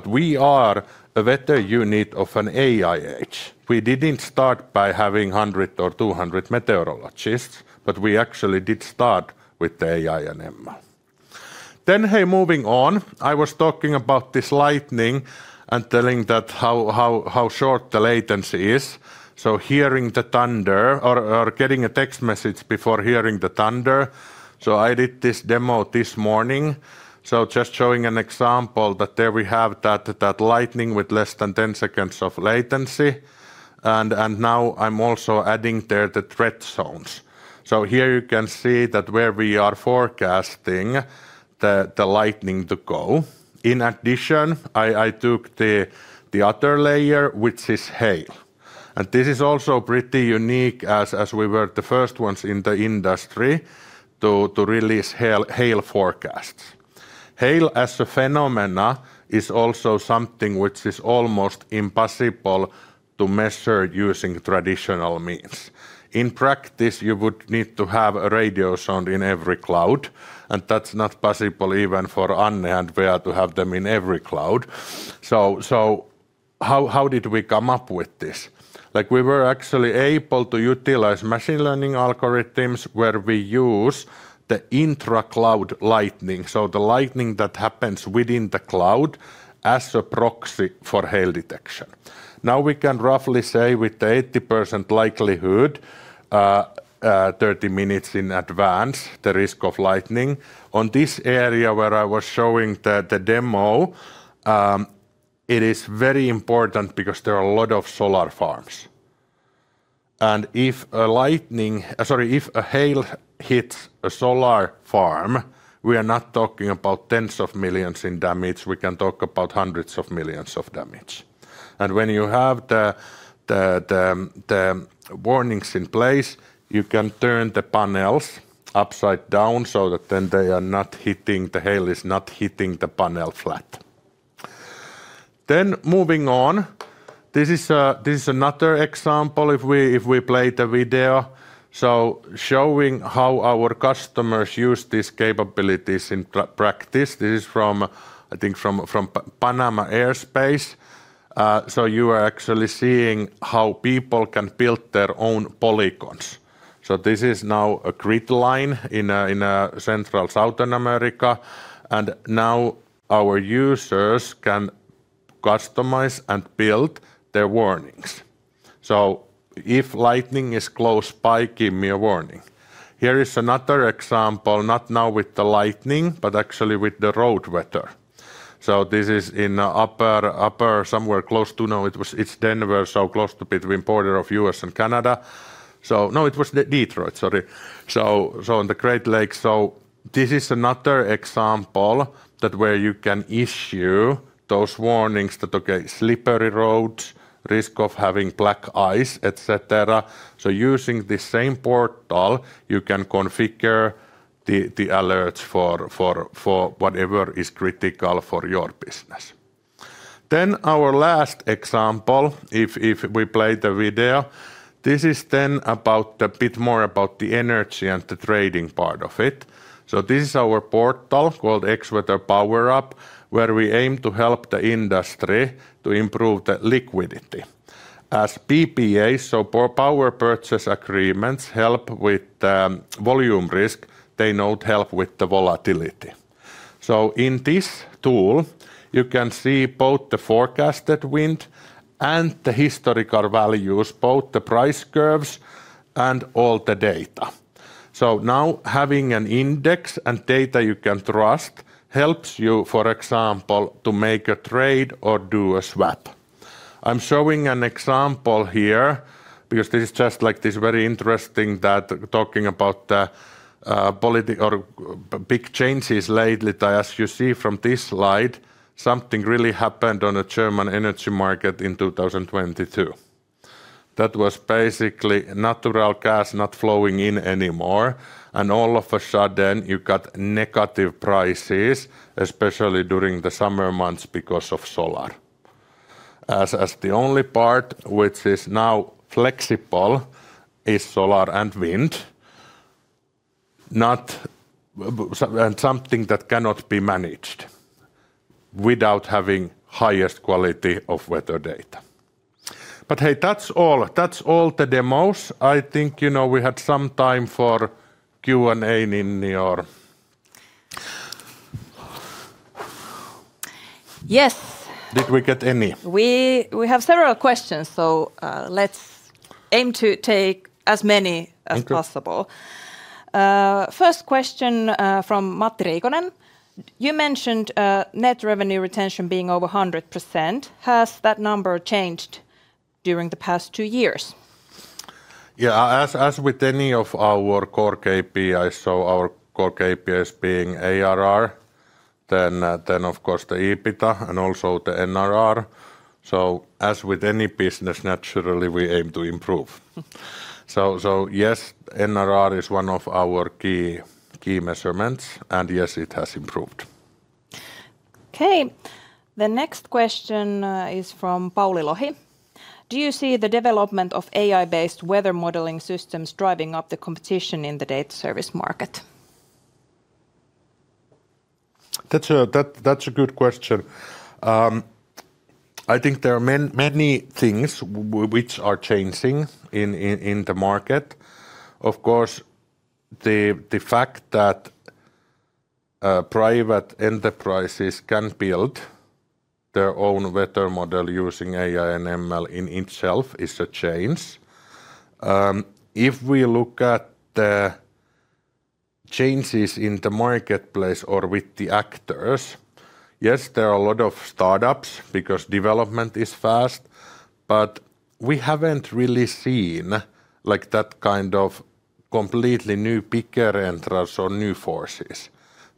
We are a weather unit of an AI age. We didn't start by having 100 or 200 meteorologists, but we actually did start with the AI and ML. Moving on, I was talking about this lightning and telling that how short the latency is. Hearing the thunder or getting a text message before hearing the thunder. I did this demo this morning. Just showing an example that there we have that lightning with less than 10 seconds of latency. Now I'm also adding there the threat zones. Here you can see that where we are forecasting the lightning to go. In addition, I took the other layer, which is hail. This is also pretty unique as we were the first ones in the industry to release hail forecasts. Hail as a phenomenon is also something which is almost impossible to measure using traditional means. In practice, you would need to have a radiosonde in every cloud. That is not possible even for Anne and Veera to have them in every cloud. How did we come up with this? We were actually able to utilize machine learning algorithms where we use the intra-cloud lightning, the lightning that happens within the cloud, as a proxy for hail detection. Now we can roughly say with the 80% likelihood, 30 minutes in advance, the risk of lightning on this area where I was showing the demo. It is very important because there are a lot of solar farms. If a hail hits a solar farm, we are not talking about tens of millions in damage. We can talk about hundreds of millions of damage. When you have the warnings in place, you can turn the panels upside down so that the hail is not hitting the panel flat. Moving on, this is another example if we play the video. Showing how our customers use these capabilities in practice. This is from, I think, from Panama Airspace. You are actually seeing how people can build their own polygons. This is now a grid line in Central South America. Our users can customize and build their warnings. If lightning is close by, give me a warning. Here is another example, not now with the lightning, but actually with the road weather. This is in the upper somewhere close to, no, it is Denver, so close to between the border of the U.S. and Canada. No, it was Detroit, sorry. In the Great Lakes, this is another example where you can issue those warnings that, okay, slippery roads, risk of having black ice, etc. Using the same portal, you can configure the alerts for whatever is critical for your business. Our last example, if we play the video, is then a bit more about the energy and the trading part of it. This is our portal called X-Weather Power Up, where we aim to help the industry to improve the liquidity. As PPAs, so Power Purchase Agreements, help with volume risk, they help with the volatility. In this tool, you can see both the forecasted wind and the historical values, both the price curves and all the data. Now having an index and data you can trust helps you, for example, to make a trade or do a swap. I'm showing an example here because this is just like this very interesting that talking about the big changes lately. As you see from this slide, something really happened on the German energy market in 2022. That was basically natural gas not flowing in anymore. All of a sudden, you got negative prices, especially during the summer months because of solar. As the only part which is now flexible is solar and wind, and something that cannot be managed without having the highest quality of weather data. But hey, that's all the demos. I think we had some time for Q&A in your. Yes. Did we get any? We have several questions, so let's aim to take as many as possible. First question from Matti Riikonen. You mentioned net revenue retention being over 100%. Has that number changed during the past two years? Yeah, as with any of our core KPIs, so our core KPIs being ARR, then of course the EBITDA and also the NRR. As with any business, naturally we aim to improve. Yes, NRR is one of our key measurements, and yes, it has improved. Okay. The next question is from Pauli Lohi. Do you see the development of AI-based weather modeling systems driving up the competition in the data service market? That's a good question. I think there are many things which are changing in the market. Of course, the fact that private enterprises can build their own weather model using AI and ML in itself is a change. If we look at the changes in the marketplace or with the actors, yes, there are a lot of startups because development is fast, but we haven't really seen that kind of completely new picker entrants or new forces.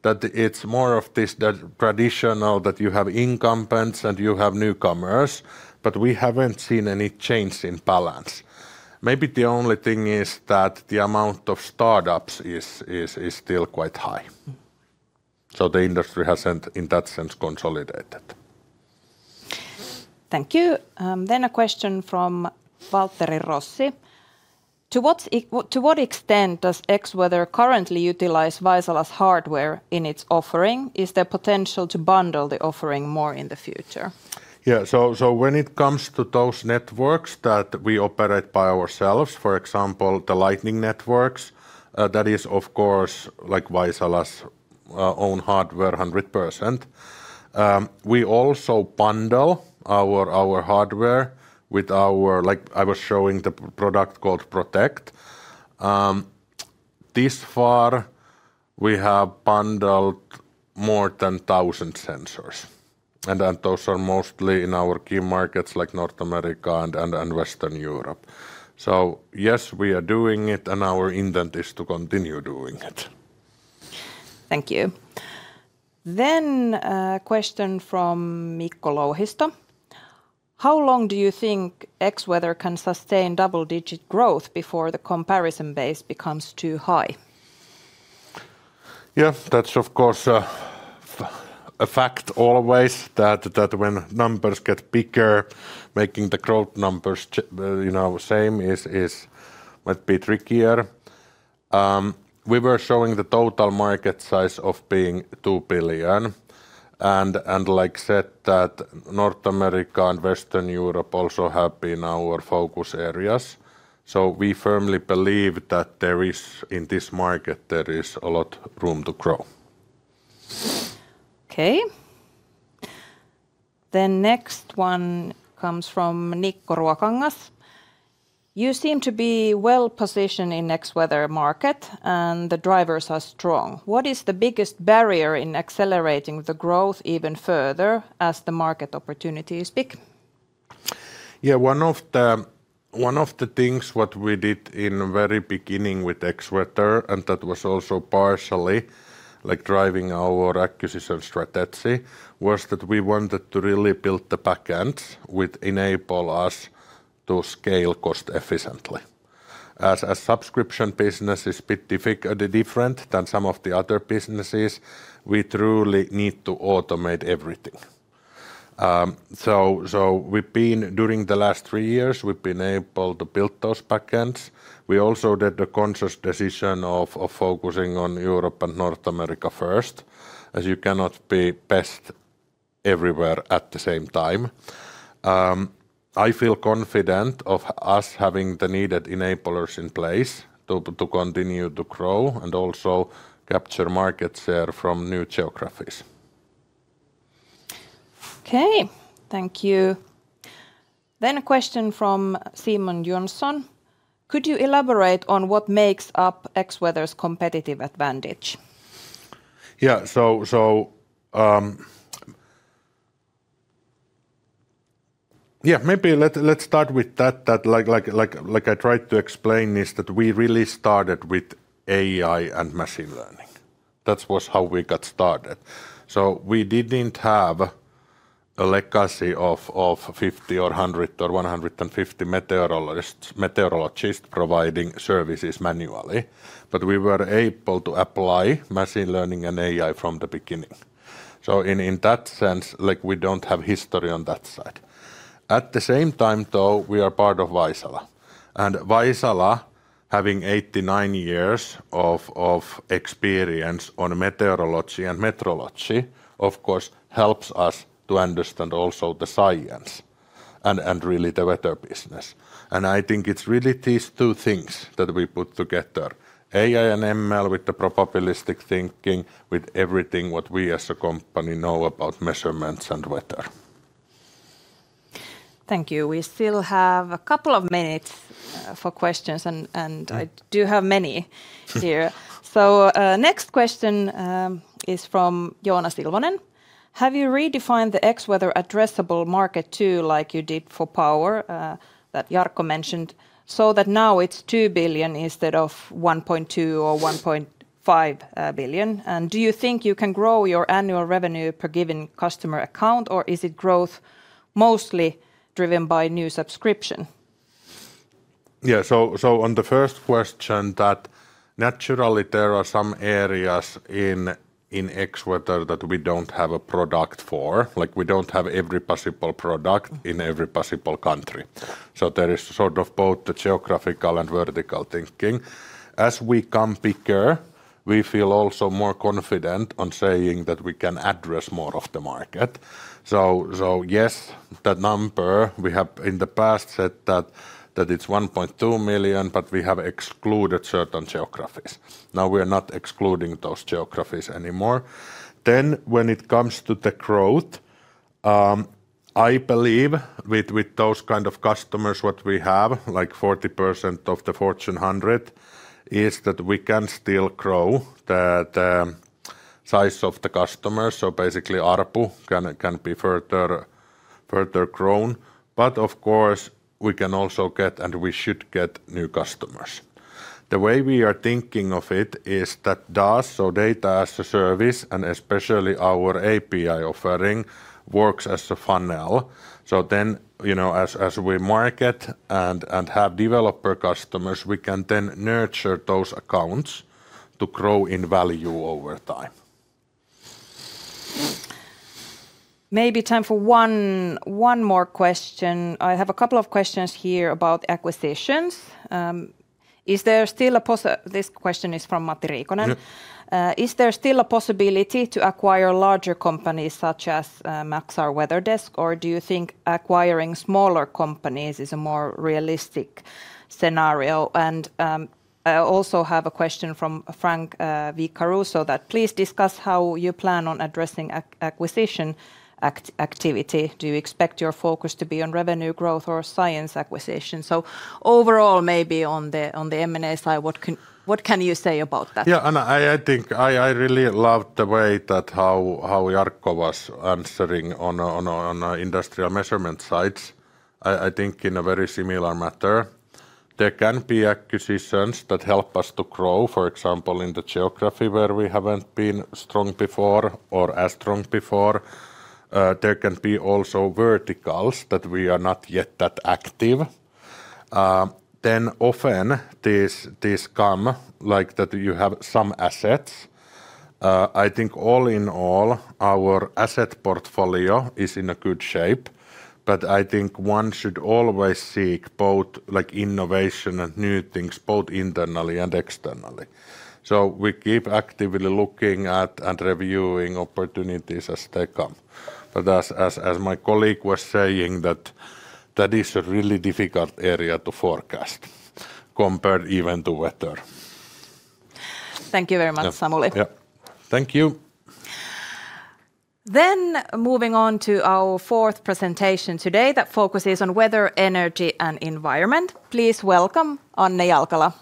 It is more of this traditional that you have incumbents and you have newcomers, but we haven't seen any change in balance. Maybe the only thing is that the amount of startups is still quite high. The industry hasn't in that sense consolidated. Thank you. A question from Waltteri Rossi. To what extent does X-Weather currently utilize Vaisala's hardware in its offering? Is there potential to bundle the offering more in the future? Yeah, when it comes to those networks that we operate by ourselves, for example, the lightning networks, that is of course like Vaisala's own hardware 100%. We also bundle our hardware with our, like I was showing the product called Protect. This far we have bundled more than 1,000 sensors. And those are mostly in our key markets like North America and Western Europe. Yes, we are doing it and our intent is to continue doing it. Thank you. Then a question from Mikko Louhisto. How long do you think X-Weather can sustain double-digit growth before the comparison base becomes too high? Yeah, that's of course a fact always that when numbers get bigger, making the growth numbers the same might be trickier. We were showing the total market size of being 2 billion. Like said, North America and Western Europe also have been our focus areas. We firmly believe that there is in this market, there is a lot of room to grow. Okay. The next one comes from Nikko Ruokangas. You seem to be well positioned in the X-Weather market and the drivers are strong. What is the biggest barrier in accelerating the growth even further as the market opportunities peak? Yeah, one of the things what we did in the very beginning with X-Weather, and that was also partially like driving our acquisition strategy, was that we wanted to really build the backends which enables us to scale cost-efficiently. As a subscription business, it's a bit different than some of the other businesses. We truly need to automate everything. During the last three years, we've been able to build those backends. We also did the conscious decision of focusing on Europe and North America first, as you cannot be best everywhere at the same time. I feel confident of us having the needed enablers in place to continue to grow and also capture market share from new geographies. Okay, thank you. A question from Simon Jonsson. Could you elaborate on what makes up X-Weather's competitive advantage? Yeah, so yeah, maybe let's start with that. Like I tried to explain this, that we really started with AI and machine learning. That was how we got started. We did not have a legacy of 50 or 100 or 150 meteorologists providing services manually. We were able to apply machine learning and AI from the beginning. In that sense, we do not have history on that side. At the same time, though, we are part of Vaisala. Vaisala, having 89 years of experience on meteorology and metrology, of course helps us to understand also the science and really the weather business. I think it is really these two things that we put together. AI and ML with the probabilistic thinking, with everything what we as a company know about measurements and weather. Thank you. We still have a couple of minutes for questions, and I do have many here. Next question is from Joonas Ilvonen. Have you redefined the X-Weather addressable market too, like you did for power that Jarkko mentioned, so that now it's 2 billion instead of 1.2 billion or 1.5 billion? Do you think you can grow your annual revenue per given customer account, or is it growth mostly driven by new subscription? Yeah, on the first question, naturally there are some areas in X-Weather that we don't have a product for. Like we don't have every possible product in every possible country. There is sort of both the geographical and vertical thinking. As we come bigger, we feel also more confident on saying that we can address more of the market. Yes, the number we have in the past said that it's 1.2 million, but we have excluded certain geographies. Now we are not excluding those geographies anymore. When it comes to the growth, I believe with those kind of customers what we have, like 40% of the Fortune 100, is that we can still grow the size of the customers. Basically ARPU can be further grown. Of course we can also get, and we should get, new customers. The way we are thinking of it is that DaaS, so data as a service, and especially our API offering works as a funnel. As we market and have developer customers, we can then nurture those accounts to grow in value over time. Maybe time for one more question. I have a couple of questions here about acquisitions. Is there still a, this question is from Matti Riikonen. Is there still a possibility to acquire larger companies such as Maxar, WeatherDesk, or do you think acquiring smaller companies is a more realistic scenario? I also have a question from Frank Vicaruso, that please discuss how you plan on addressing acquisition activity. Do you expect your focus to be on revenue growth or science acquisition? Overall, maybe on the M&A side, what can you say about that? Yeah, I think I really loved the way that how Jarkko was answering on the industrial measurement sides. I think in a very similar matter, there can be acquisitions that help us to grow, for example, in the geography where we haven't been strong before or as strong before. There can be also verticals that we are not yet that active. Then often these come like that you have some assets. I think all in all, our asset portfolio is in a good shape, but I think one should always seek both like innovation and new things, both internally and externally. We keep actively looking at and reviewing opportunities as they come. As my colleague was saying, that is a really difficult area to forecast compared even to weather. Thank you very much, Samuli. Yeah, thank you. Moving on to our fourth presentation today that focuses on weather, energy, and environment. Please welcome Anne Jalkala.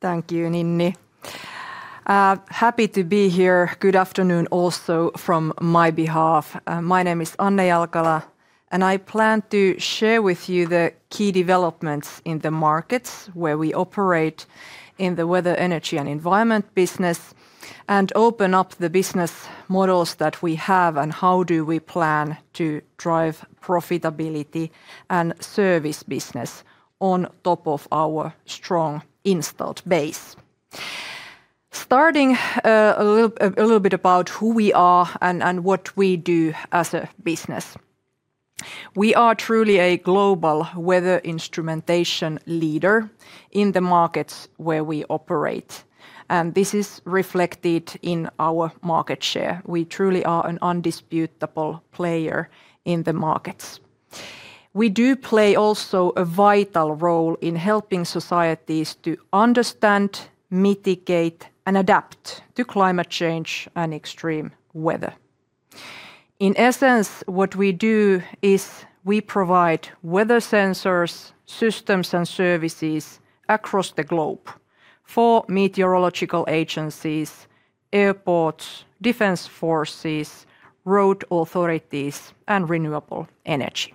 Thank you, Ninni. Happy to be here. Good afternoon also from my behalf. My name is Anne Jalkala, and I plan to share with you the key developments in the markets where we operate in the weather, energy, and environment business and open up the business models that we have and how do we plan to drive profitability and service business on top of our strong installed base. Starting a little bit about who we are and what we do as a business. We are truly a global weather instrumentation leader in the markets where we operate. This is reflected in our market share. We truly are an undisputable player in the markets. We do play also a vital role in helping societies to understand, mitigate, and adapt to climate change and extreme weather. In essence, what we do is we provide weather sensors, systems, and services across the globe for meteorological agencies, airports, defense forces, road authorities, and renewable energy.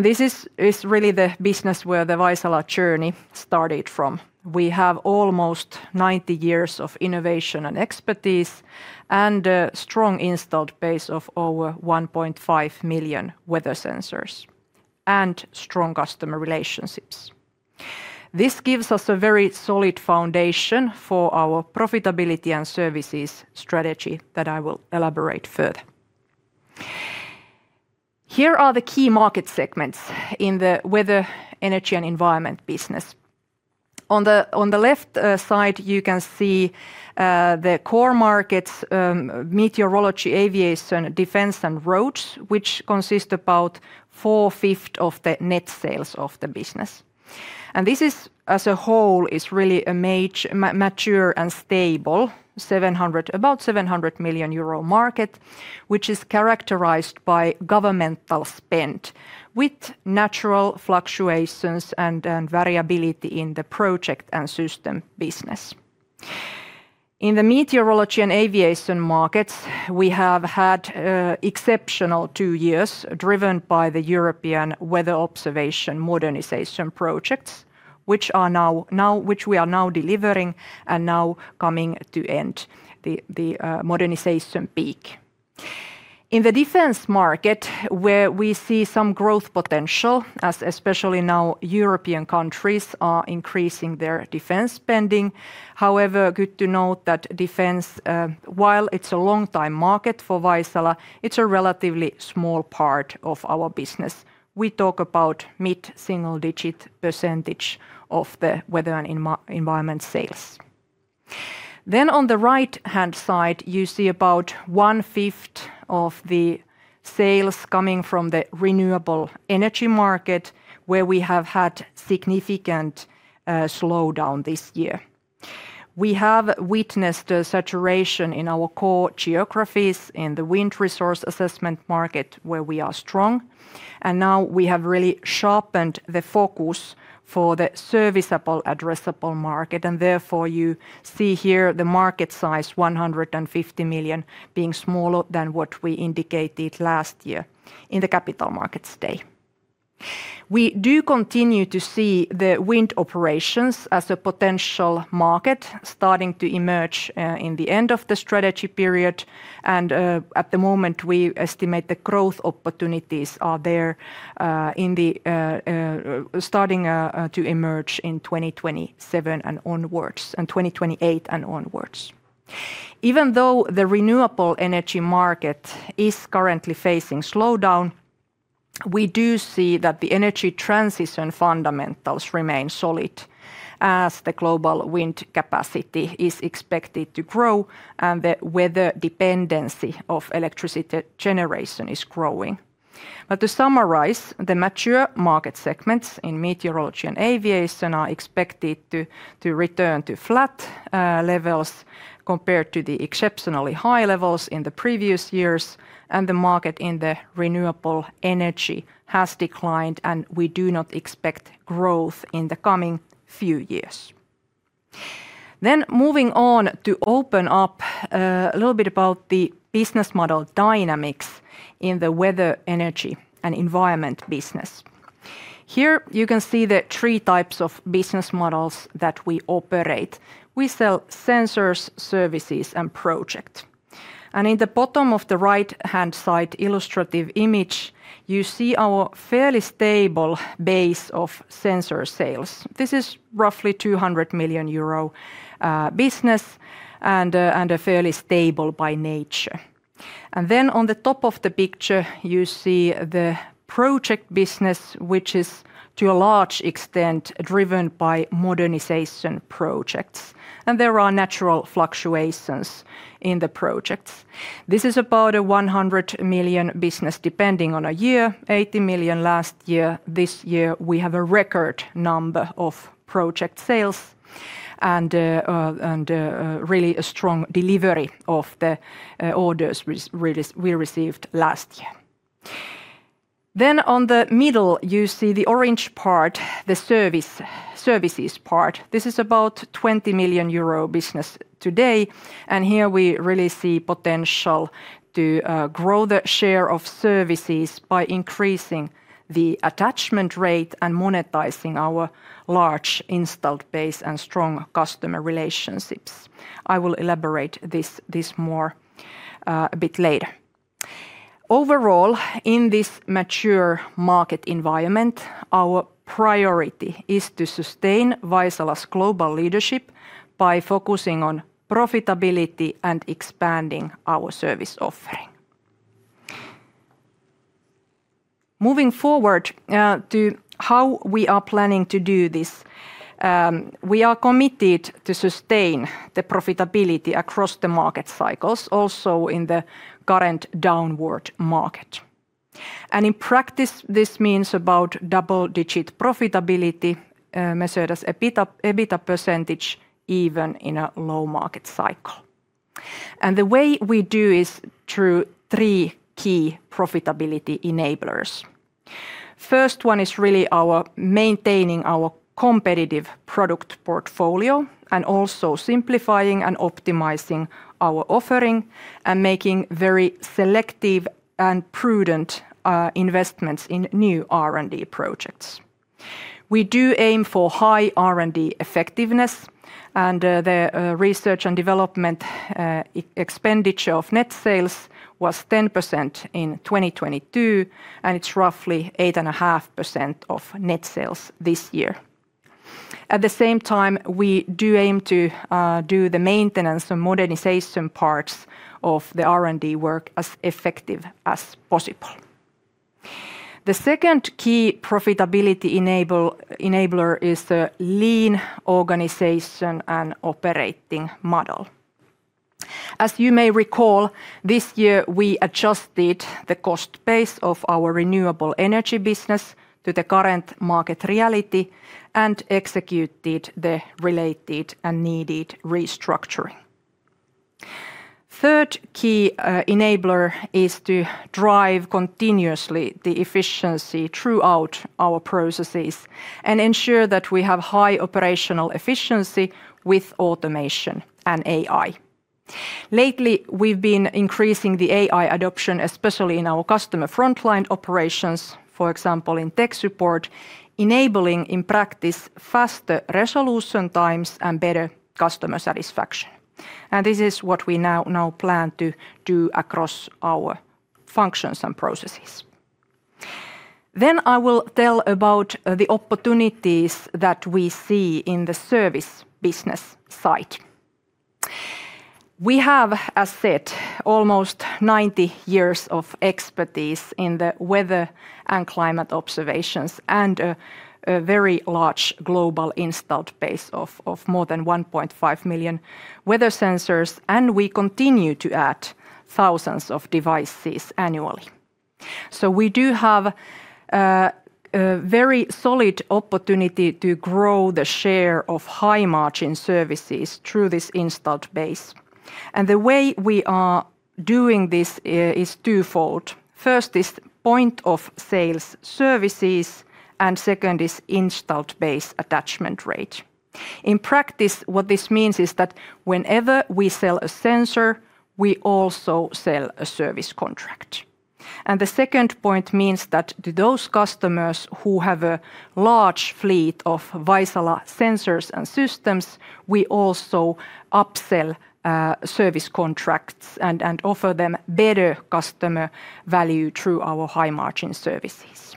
This is really the business where the Vaisala journey started from. We have almost 90 years of innovation and expertise and a strong installed base of our 1.5 million weather sensors and strong customer relationships. This gives us a very solid foundation for our profitability and services strategy that I will elaborate further. Here are the key market segments in the weather, energy, and environment business. On the left side, you can see the core markets: meteorology, aviation, defense, and roads, which consist of about 4/5 of the net sales of the business. This is, as a whole, really a mature and stable about 700 million euro market, which is characterized by governmental spend with natural fluctuations and variability in the project and system business. In the meteorology and aviation markets, we have had exceptional two years driven by the European weather observation modernization projects, which we are now delivering and now coming to end the modernization peak. In the defense market, where we see some growth potential, especially now European countries are increasing their defense spending. However, good to note that defense, while it's a long-time market for Vaisala, it's a relatively small part of our business. We talk about mid-single-digit % of the weather and environment sales. On the right-hand side, you see about 1/5 of the sales coming from the renewable energy market, where we have had significant slowdown this year. We have witnessed the saturation in our core geographies in the wind resource assessment market, where we are strong. Now we have really sharpened the focus for the serviceable addressable market. Therefore you see here the market size, 150 million, being smaller than what we indicated last year in the capital markets day. We do continue to see the wind operations as a potential market starting to emerge in the end of the strategy period. At the moment, we estimate the growth opportunities are there starting to emerge in 2027 and onwards, and 2028 and onwards. Even though the renewable energy market is currently facing slowdown, we do see that the energy transition fundamentals remain solid as the global wind capacity is expected to grow and the weather dependency of electricity generation is growing. To summarize, the mature market segments in meteorology and aviation are expected to return to flat levels compared to the exceptionally high levels in the previous years. The market in the renewable energy has declined, and we do not expect growth in the coming few years. Moving on to open up a little bit about the business model dynamics in the weather, energy, and environment business. Here you can see the three types of business models that we operate. We sell sensors, services, and projects. In the bottom of the right-hand side illustrative image, you see our fairly stable base of sensor sales. This is roughly 200 million euro business and fairly stable by nature. On the top of the picture, you see the project business, which is to a large extent driven by modernization projects. There are natural fluctuations in the projects. This is about a 100 million business depending on a year, 80 million last year. This year we have a record number of project sales and really a strong delivery of the orders we received last year. In the middle, you see the orange part, the services part. This is about 20 million euro business today. Here we really see potential to grow the share of services by increasing the attachment rate and monetizing our large installed base and strong customer relationships. I will elaborate this more a bit later. Overall, in this mature market environment, our priority is to sustain Vaisala's global leadership by focusing on profitability and expanding our service offering. Moving forward to how we are planning to do this, we are committed to sustain the profitability across the market cycles, also in the current downward market. In practice, this means about double-digit profitability, measured as EBITDA % even in a low market cycle. The way we do is through three key profitability enablers. The first one is really our maintaining our competitive product portfolio and also simplifying and optimizing our offering and making very selective and prudent investments in new R&D projects. We do aim for high R&D effectiveness, and the research and development expenditure of net sales was 10% in 2022, and it's roughly 8.5% of net sales this year. At the same time, we do aim to do the maintenance and modernization parts of the R&D work as effective as possible. The second key profitability enabler is the lean organization and operating model. As you may recall, this year we adjusted the cost base of our renewable energy business to the current market reality and executed the related and needed restructuring. Third key enabler is to drive continuously the efficiency throughout our processes and ensure that we have high operational efficiency with automation and AI. Lately, we've been increasing the AI adoption, especially in our customer frontline operations, for example, in tech support, enabling in practice faster resolution times and better customer satisfaction. This is what we now plan to do across our functions and processes. I will tell about the opportunities that we see in the service business side. We have, as said, almost 90 years of expertise in the weather and climate observations and a very large global installed base of more than 1.5 million weather sensors, and we continue to add thousands of devices annually. We do have a very solid opportunity to grow the share of high-margin services through this installed base. The way we are doing this is twofold. First is point of sales services, and second is installed base attachment rate. In practice, what this means is that whenever we sell a sensor, we also sell a service contract. The second point means that to those customers who have a large fleet of Vaisala sensors and systems, we also upsell service contracts and offer them better customer value through our high-margin services.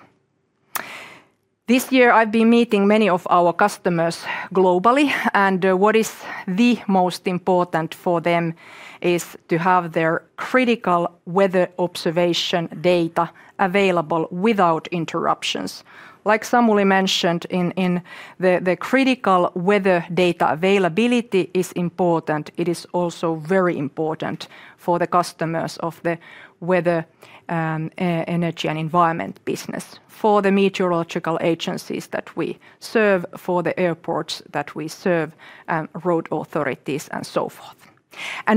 This year, I've been meeting many of our customers globally, and what is the most important for them is to have their critical weather observation data available without interruptions. Like Samuli mentioned, the critical weather data availability is important. It is also very important for the customers of the weather, energy, and environment business, for the meteorological agencies that we serve, for the airports that we serve, road authorities, and so forth.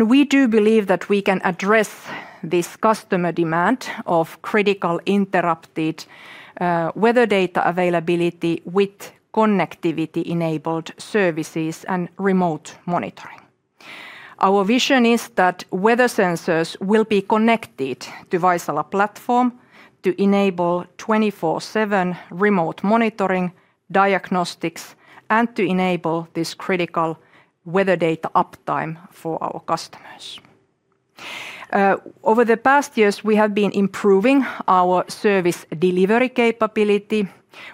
We do believe that we can address this customer demand of critical interrupted weather data availability with connectivity-enabled services and remote monitoring. Our vision is that weather sensors will be connected to Vaisala platform to enable 24/7 remote monitoring, diagnostics, and to enable this critical weather data uptime for our customers. Over the past years, we have been improving our service delivery capability.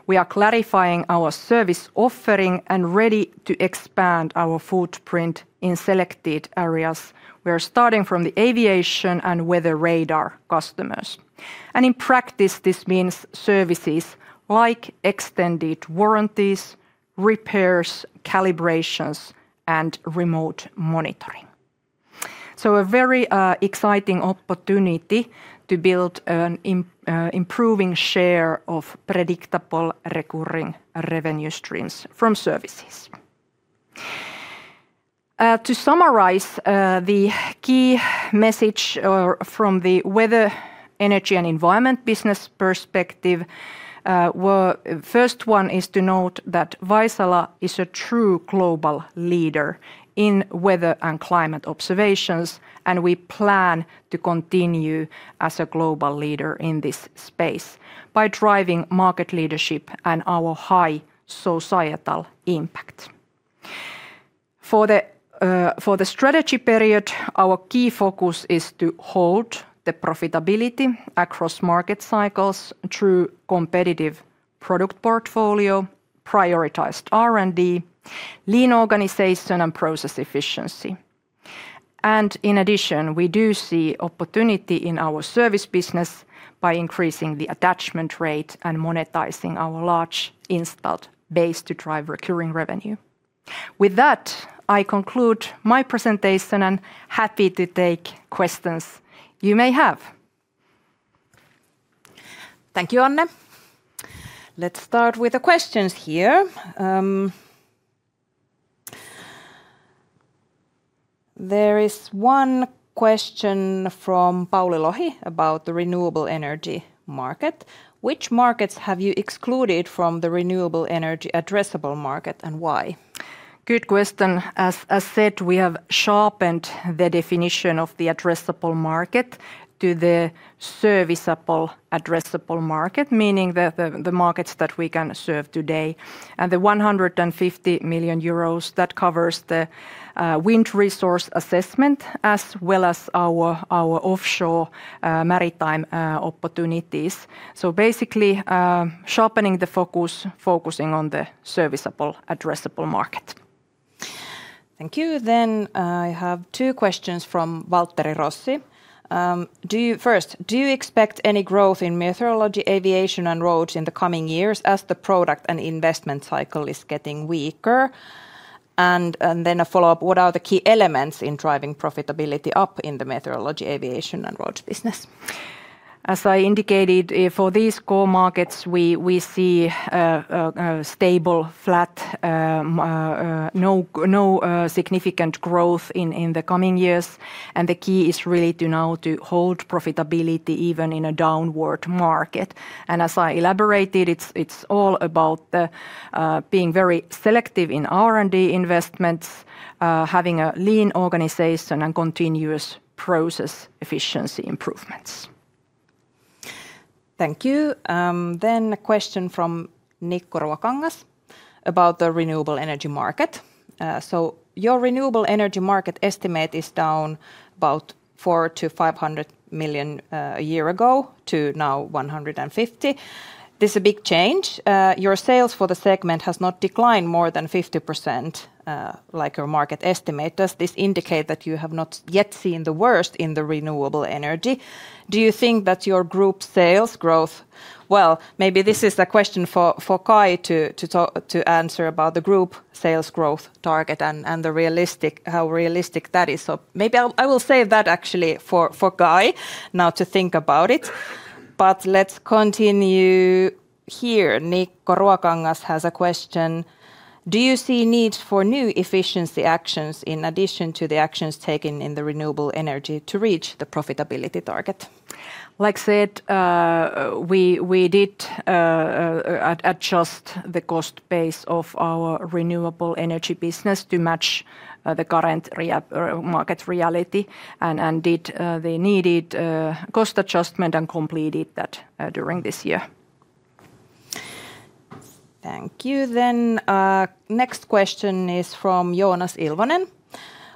We are clarifying our service offering and ready to expand our footprint in selected areas. We are starting from the aviation and weather radar customers. In practice, this means services like extended warranties, repairs, calibrations, and remote monitoring. A very exciting opportunity to build an improving share of predictable recurring revenue streams from services. To summarize the key message from the weather, energy, and environment business perspective, the first one is to note that Vaisala is a true global leader in weather and climate observations, and we plan to continue as a global leader in this space by driving market leadership and our high societal impact. For the strategy period, our key focus is to hold the profitability across market cycles through competitive product portfolio, prioritized R&D, lean organization, and process efficiency. In addition, we do see opportunity in our service business by increasing the attachment rate and monetizing our large installed base to drive recurring revenue. With that, I conclude my presentation and happy to take questions you may have. Thank you, Anne. Let's start with the questions here. There is one question from Pauli Lohi about the renewable energy market. Which markets have you excluded from the renewable energy addressable market and why? Good question. As said, we have sharpened the definition of the addressable market to the serviceable addressable market, meaning the markets that we can serve today. And the 150 million euros that covers the wind resource assessment as well as our offshore maritime opportunities. Basically sharpening the focus, focusing on the serviceable addressable market. Thank you. I have two questions from Waltteri Rossi. First, do you expect any growth in meteorology, aviation, and roads in the coming years as the product and investment cycle is getting weaker? A follow-up, what are the key elements in driving profitability up in the meteorology, aviation, and roads business? As I indicated, for these core markets, we see a stable flat, no significant growth in the coming years. The key is really to now hold profitability even in a downward market. As I elaborated, it is all about being very selective in R&D investments, having a lean organization, and continuous process efficiency improvements. Thank you. A question from Nikko Ruokangas about the renewable energy market. Your renewable energy market estimate is down about 400 million-500 million a year ago to now 150 million. This is a big change. Your sales for the segment have not declined more than 50% like your market estimate. Does this indicate that you have not yet seen the worst in renewable energy? Do you think that your group sales growth—maybe this is a question for Kai to answer about the group sales growth target and how realistic that is. I will save that actually for Kai now to think about it. Let's continue here. Nikko Ruokangas has a question. Do you see needs for new efficiency actions in addition to the actions taken in the renewable energy to reach the profitability target? Like said, we did adjust the cost base of our renewable energy business to match the current market reality and did the needed cost adjustment and completed that during this year. Thank you. Next question is from Joonas Ilvonen.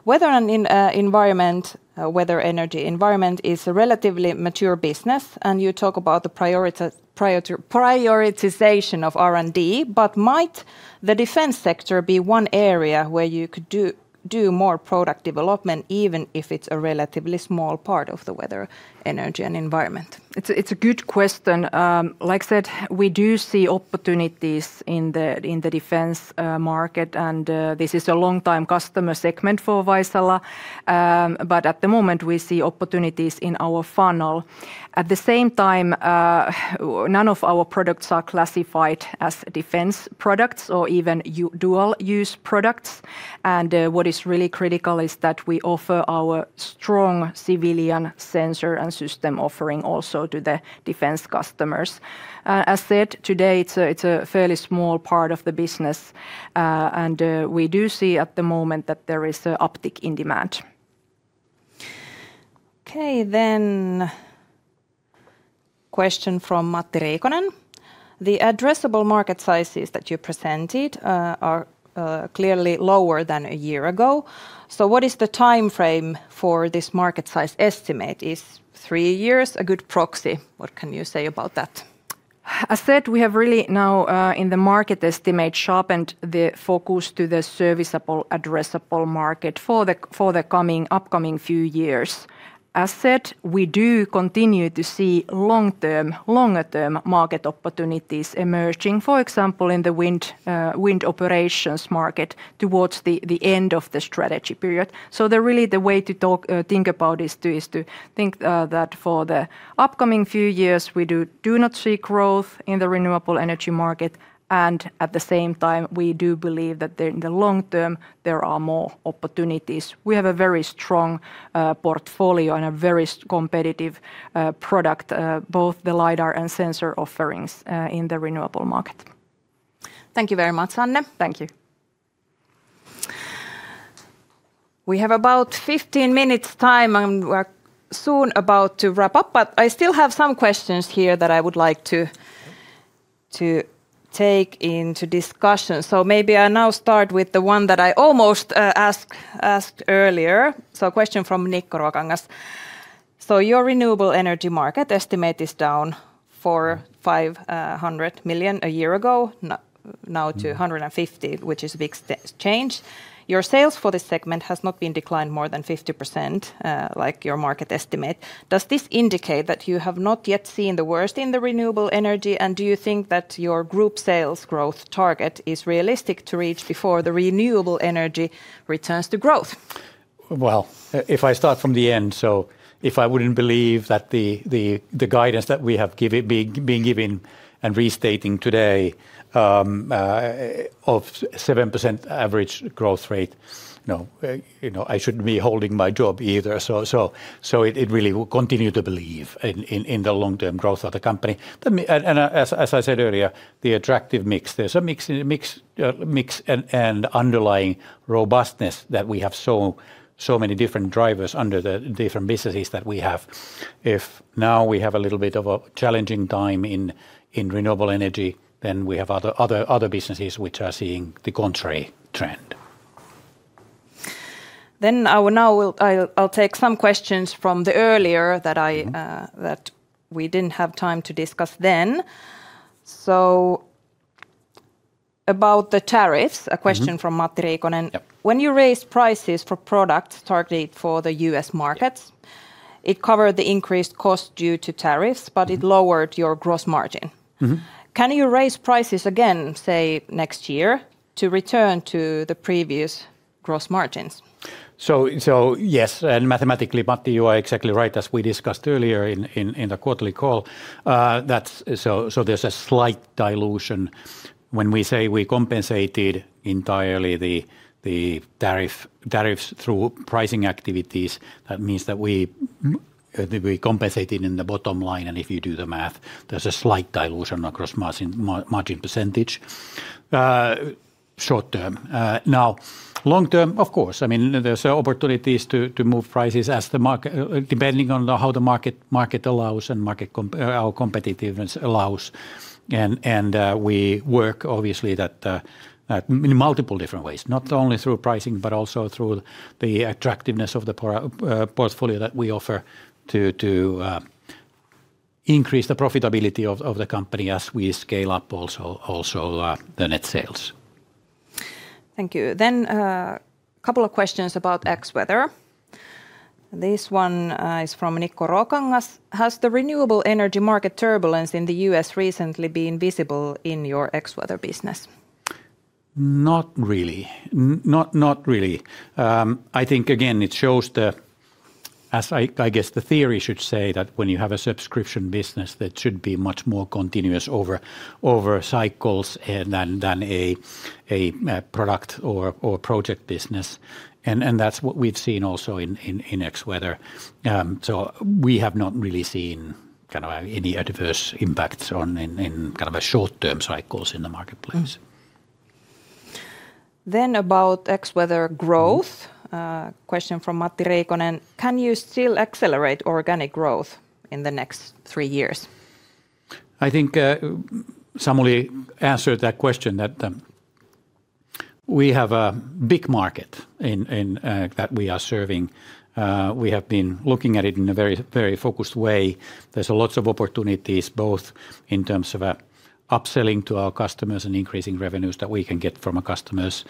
Weather and environment, weather energy environment is a relatively mature business, and you talk about the prioritization of R&D, but might the defense sector be one area where you could do more product development even if it's a relatively small part of the weather, energy, and environment? It's a good question. Like said, we do see opportunities in the defense market, and this is a long-time customer segment for Vaisala, but at the moment we see opportunities in our funnel. At the same time, none of our products are classified as defense products or even dual-use products. What is really critical is that we offer our strong civilian sensor and system offering also to the defense customers. As said, today it's a fairly small part of the business, and we do see at the moment that there is an uptick in demand. Okay, question from Matti Riikonen. The addressable market sizes that you presented are clearly lower than a year ago. What is the timeframe for this market size estimate? Is three years a good proxy? What can you say about that? As said, we have really now in the market estimate sharpened the focus to the serviceable addressable market for the upcoming few years. As said, we do continue to see long-term market opportunities emerging, for example, in the wind operations market towards the end of the strategy period. Really the way to think about this is to think that for the upcoming few years we do not see growth in the renewable energy market, and at the same time we do believe that in the long term there are more opportunities. We have a very strong portfolio and a very competitive product, both the LiDAR and sensor offerings in the renewable market. Thank you very much, Anne. Thank you. We have about 15 minutes time, and we are soon about to wrap up, but I still have some questions here that I would like to take into discussion. Maybe I now start with the one that I almost asked earlier. A question from Nikko Ruokangas. Your renewable energy market estimate is down from 500 million a year ago now to 150 million, which is a big change. Your sales for this segment has not been declined more than 50% like your market estimate. Does this indicate that you have not yet seen the worst in the renewable energy, and do you think that your group sales growth target is realistic to reach before the renewable energy returns to growth? If I start from the end, if I would not believe that the guidance that we have been giving and restating today of 7% average growth rate, I should not be holding my job either. It really will continue to believe in the long-term growth of the company. As I said earlier, the attractive mix, there is a mix and underlying robustness that we have so many different drivers under the different businesses that we have. If now we have a little bit of a challenging time in renewable energy, we have other businesses which are seeing the contrary trend. I will take some questions from earlier that we did not have time to discuss. About the tariffs, a question from Matti Riikonen. When you raised prices for products targeted for the U.S. markets, it covered the increased cost due to tariffs, but it lowered your gross margin. Can you raise prices again, say next year, to return to the previous gross margins? Yes, and mathematically, Matti, you are exactly right as we discussed earlier in the quarterly call. There is a slight dilution when we say we compensated entirely the tariffs through pricing activities. That means that we compensated in the bottom line, and if you do the math, there is a slight dilution across margin percentage short term. Now, long term, of course, I mean there are opportunities to move prices as the market, depending on how the market allows and how competitiveness allows. We work obviously in multiple different ways, not only through pricing but also through the attractiveness of the portfolio that we offer to increase the profitability of the company as we scale up also the net sales. Thank you. A couple of questions about X-Weather. This one is from Nikko Ruokangas. Has the renewable energy market turbulence in the U.S. recently been visible in your X-Weather business? Not really. Not really. I think again it shows the, as I guess the theory should say, that when you have a subscription business, that should be much more continuous over cycles than a product or project business. That is what we have seen also in X-Weather. We have not really seen kind of any adverse impacts in kind of short-term cycles in the marketplace. About X-Weather growth, a question from Matti Riikonen. Can you still accelerate organic growth in the next three years? I think Samuli answered that question, that we have a big market that we are serving. We have been looking at it in a very focused way. There's lots of opportunities both in terms of upselling to our customers and increasing revenues that we can get from our customers,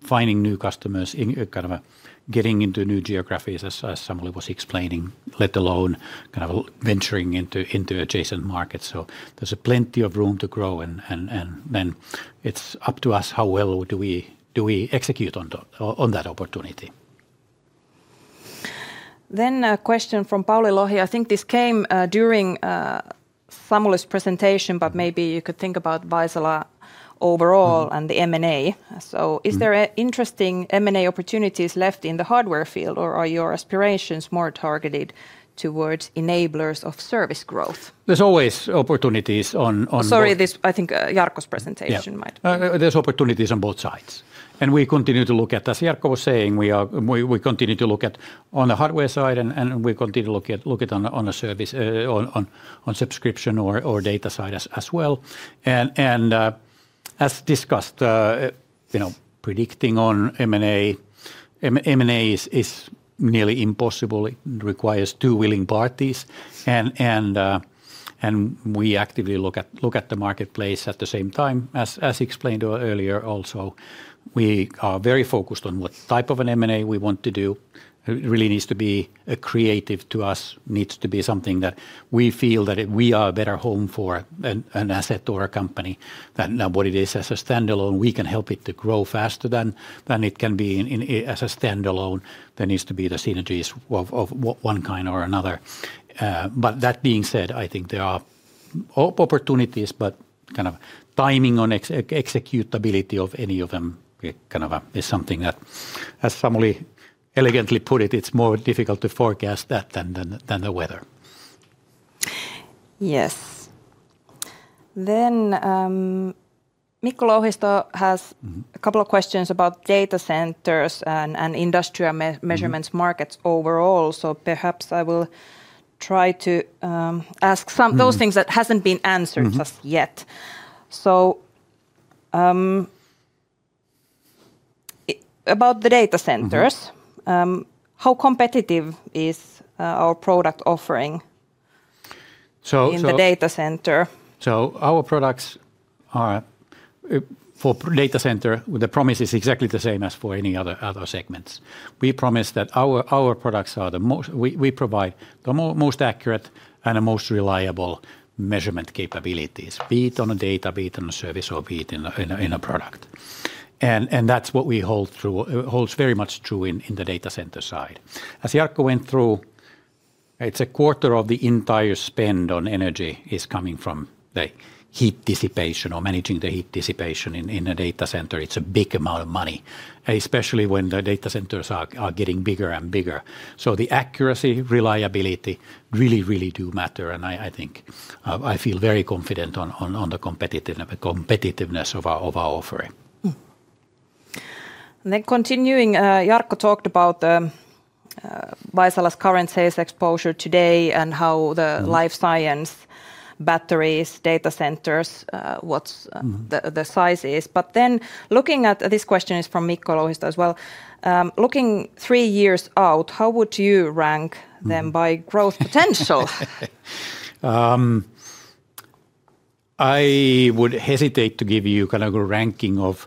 finding new customers, kind of getting into new geographies, as Samuli was explaining, let alone kind of venturing into adjacent markets. There's plenty of room to grow, and then it's up to us how well do we execute on that opportunity. A question from Pauli Lohi. I think this came during Samuli's presentation, but maybe you could think about Vaisala overall and the M&A. Is there interesting M&A opportunities left in the hardware field, or are your aspirations more targeted towards enablers of service growth? There's always opportunities on the— Sorry, I think Jarkko's presentation might be— There's opportunities on both sides, and we continue to look at, as Jarkko was saying, we continue to look at on the hardware side, and we continue to look at on a service on subscription or data side as well. As discussed, predicting on M&A is nearly impossible. It requires two willing parties, and we actively look at the marketplace at the same time. As explained earlier also, we are very focused on what type of an M&A we want to do. It really needs to be accretive to us. It needs to be something that we feel that we are a better home for an asset or a company. Now, what it is as a standalone, we can help it to grow faster than it can be as a standalone. There needs to be the synergies of one kind or another. That being said, I think there are opportunities, but kind of timing on executability of any of them is something that, as Samuli elegantly put it, it's more difficult to forecast than the weather. Yes. Mikko Louhisto has a couple of questions about data centers and industrial measurements markets overall. Perhaps I will try to ask those things that haven't been answered just yet. About the data centers, how competitive is our product offering in the data center? Our products are for data center, the promise is exactly the same as for any other segments. We promise that our products are the most—we provide the most accurate and the most reliable measurement capabilities, be it on a data, be it on a service, or be it in a product. That's what we hold very much true in the data center side. As Jarkko went through, it's a quarter of the entire spend on energy is coming from the heat dissipation or managing the heat dissipation in a data center. It's a big amount of money, especially when the data centers are getting bigger and bigger. The accuracy, reliability really, really do matter, and I think I feel very confident on the competitiveness of our offering. Continuing, Jarkko talked about Vaisala's current sales exposure today and how the life science batteries, data centers, what the size is. Looking at this question, it is from Mikko Louhisto as well. Looking three years out, how would you rank them by growth potential? I would hesitate to give you kind of a ranking of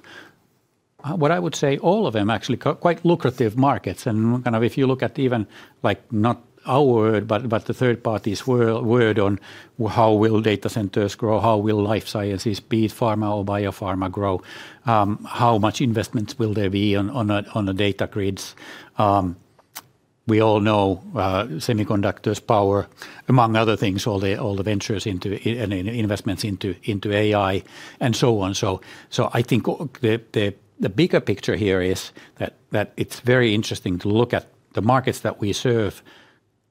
what I would say all of them actually quite lucrative markets. If you look at even like not our word, but the third party's word on how will data centers grow, how will life sciences, be it pharma or biopharma, grow, how much investments will there be on the data grids. We all know semiconductors, power, among other things, all the ventures and investments into AI and so on. I think the bigger picture here is that it's very interesting to look at the markets that we serve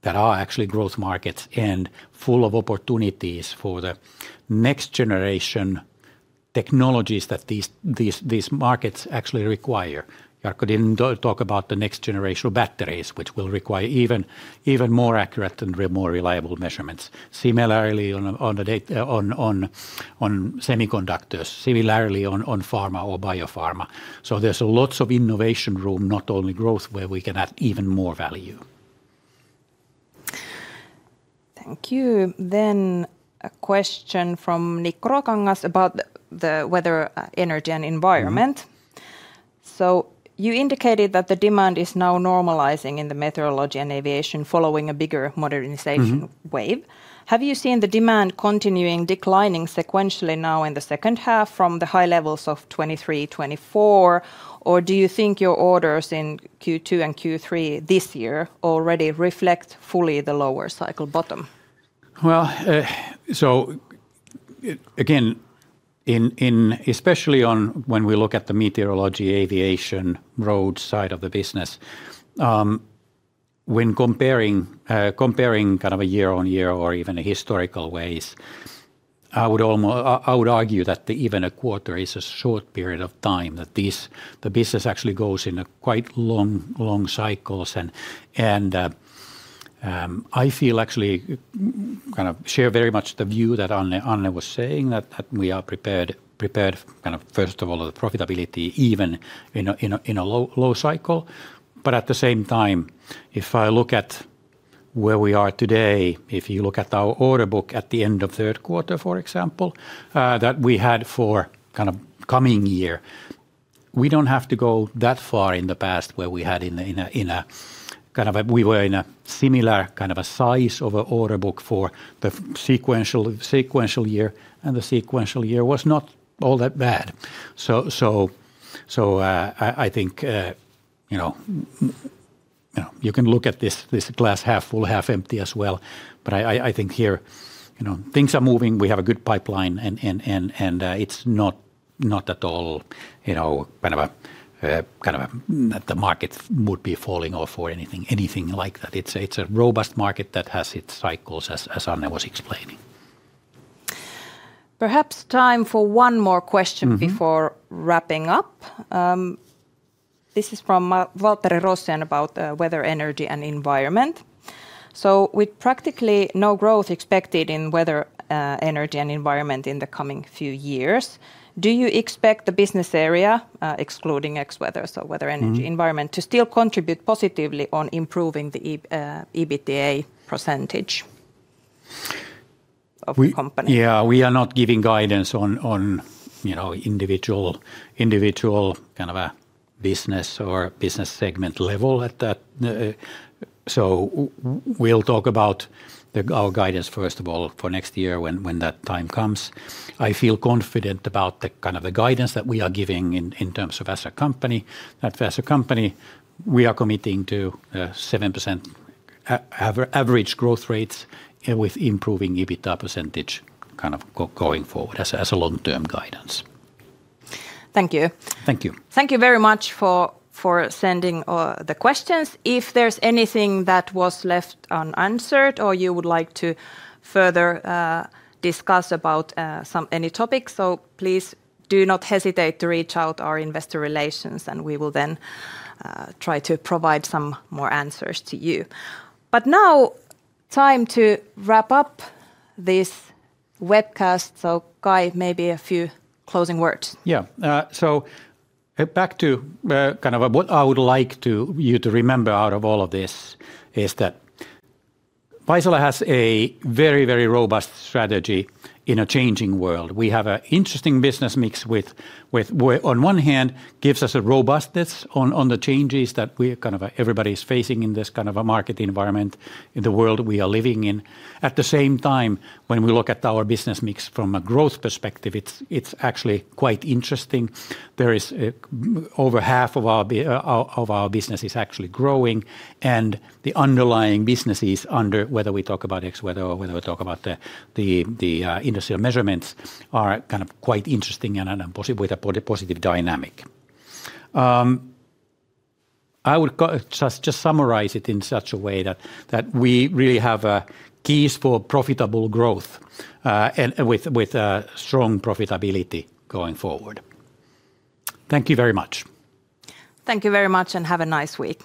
that are actually growth markets and full of opportunities for the next generation technologies that these markets actually require. Jarkko didn't talk about the next generation of batteries, which will require even more accurate and more reliable measurements. Similarly, on semiconductors, similarly on pharma or biopharma. There is lots of innovation room, not only growth, where we can add even more value. Thank you. A question from Nikko Ruokangas about the weather, energy, and environment. You indicated that the demand is now normalizing in the meteorology and aviation following a bigger modernization wave. Have you seen the demand continuing declining sequentially now in the second half from the high levels of 2023-2024, or do you think your orders in Q2 and Q3 this year already reflect fully the lower cycle bottom? Again, especially when we look at the meteorology, aviation, roads side of the business, when comparing kind of a year-on-year or even historical ways, I would argue that even a quarter is a short period of time, that the business actually goes in quite long cycles. I feel actually kind of share very much the view that Anne was saying, that we are prepared kind of first of all for profitability even in a low cycle. At the same time, if I look at where we are today, if you look at our order book at the end of third quarter, for example, that we had for kind of coming year, we do not have to go that far in the past where we had in a kind of a we were in a similar kind of a size of an order book for the sequential year, and the sequential year was not all that bad. I think you can look at this glass half full, half empty as well, but I think here things are moving, we have a good pipeline, and it is not at all kind of a kind of the market would be falling off or anything like that. It is a robust market that has its cycles, as Anne was explaining. Perhaps time for one more question before wrapping up. This is from Waltteri Rossi about weather, energy, and environment. With practically no growth expected in weather, energy, and environment in the coming few years, do you expect the business area, excluding X-Weather, so weather, energy, environment, to still contribute positively on improving the EBITDA percentage of the company? Yeah, we are not giving guidance on individual kind of a business or business segment level at that. We will talk about our guidance first of all for next year when that time comes. I feel confident about the kind of the guidance that we are giving in terms of as a company, that as a company we are committing to 7% average growth rates with improving EBITDA percentage kind of going forward as a long-term guidance. Thank you. Thank you. Thank you very much for sending the questions. If there's anything that was left unanswered or you would like to further discuss about any topic, please do not hesitate to reach out to our investor relations, and we will then try to provide some more answers to you. Now time to wrap up this webcast. Kai, maybe a few closing words. Yeah. Back to kind of what I would like you to remember out of all of this is that Vaisala has a very, very robust strategy in a changing world. We have an interesting business mix which, on one hand, gives us a robustness on the changes that everybody is facing in this kind of a market environment in the world we are living in. At the same time, when we look at our business mix from a growth perspective, it's actually quite interesting. There is over half of our business is actually growing, and the underlying businesses under whether we talk about X-Weather or whether we talk about the industrial measurements are kind of quite interesting and possibly with a positive dynamic. I would just summarize it in such a way that we really have keys for profitable growth with strong profitability going forward. Thank you very much. Thank you very much and have a nice week.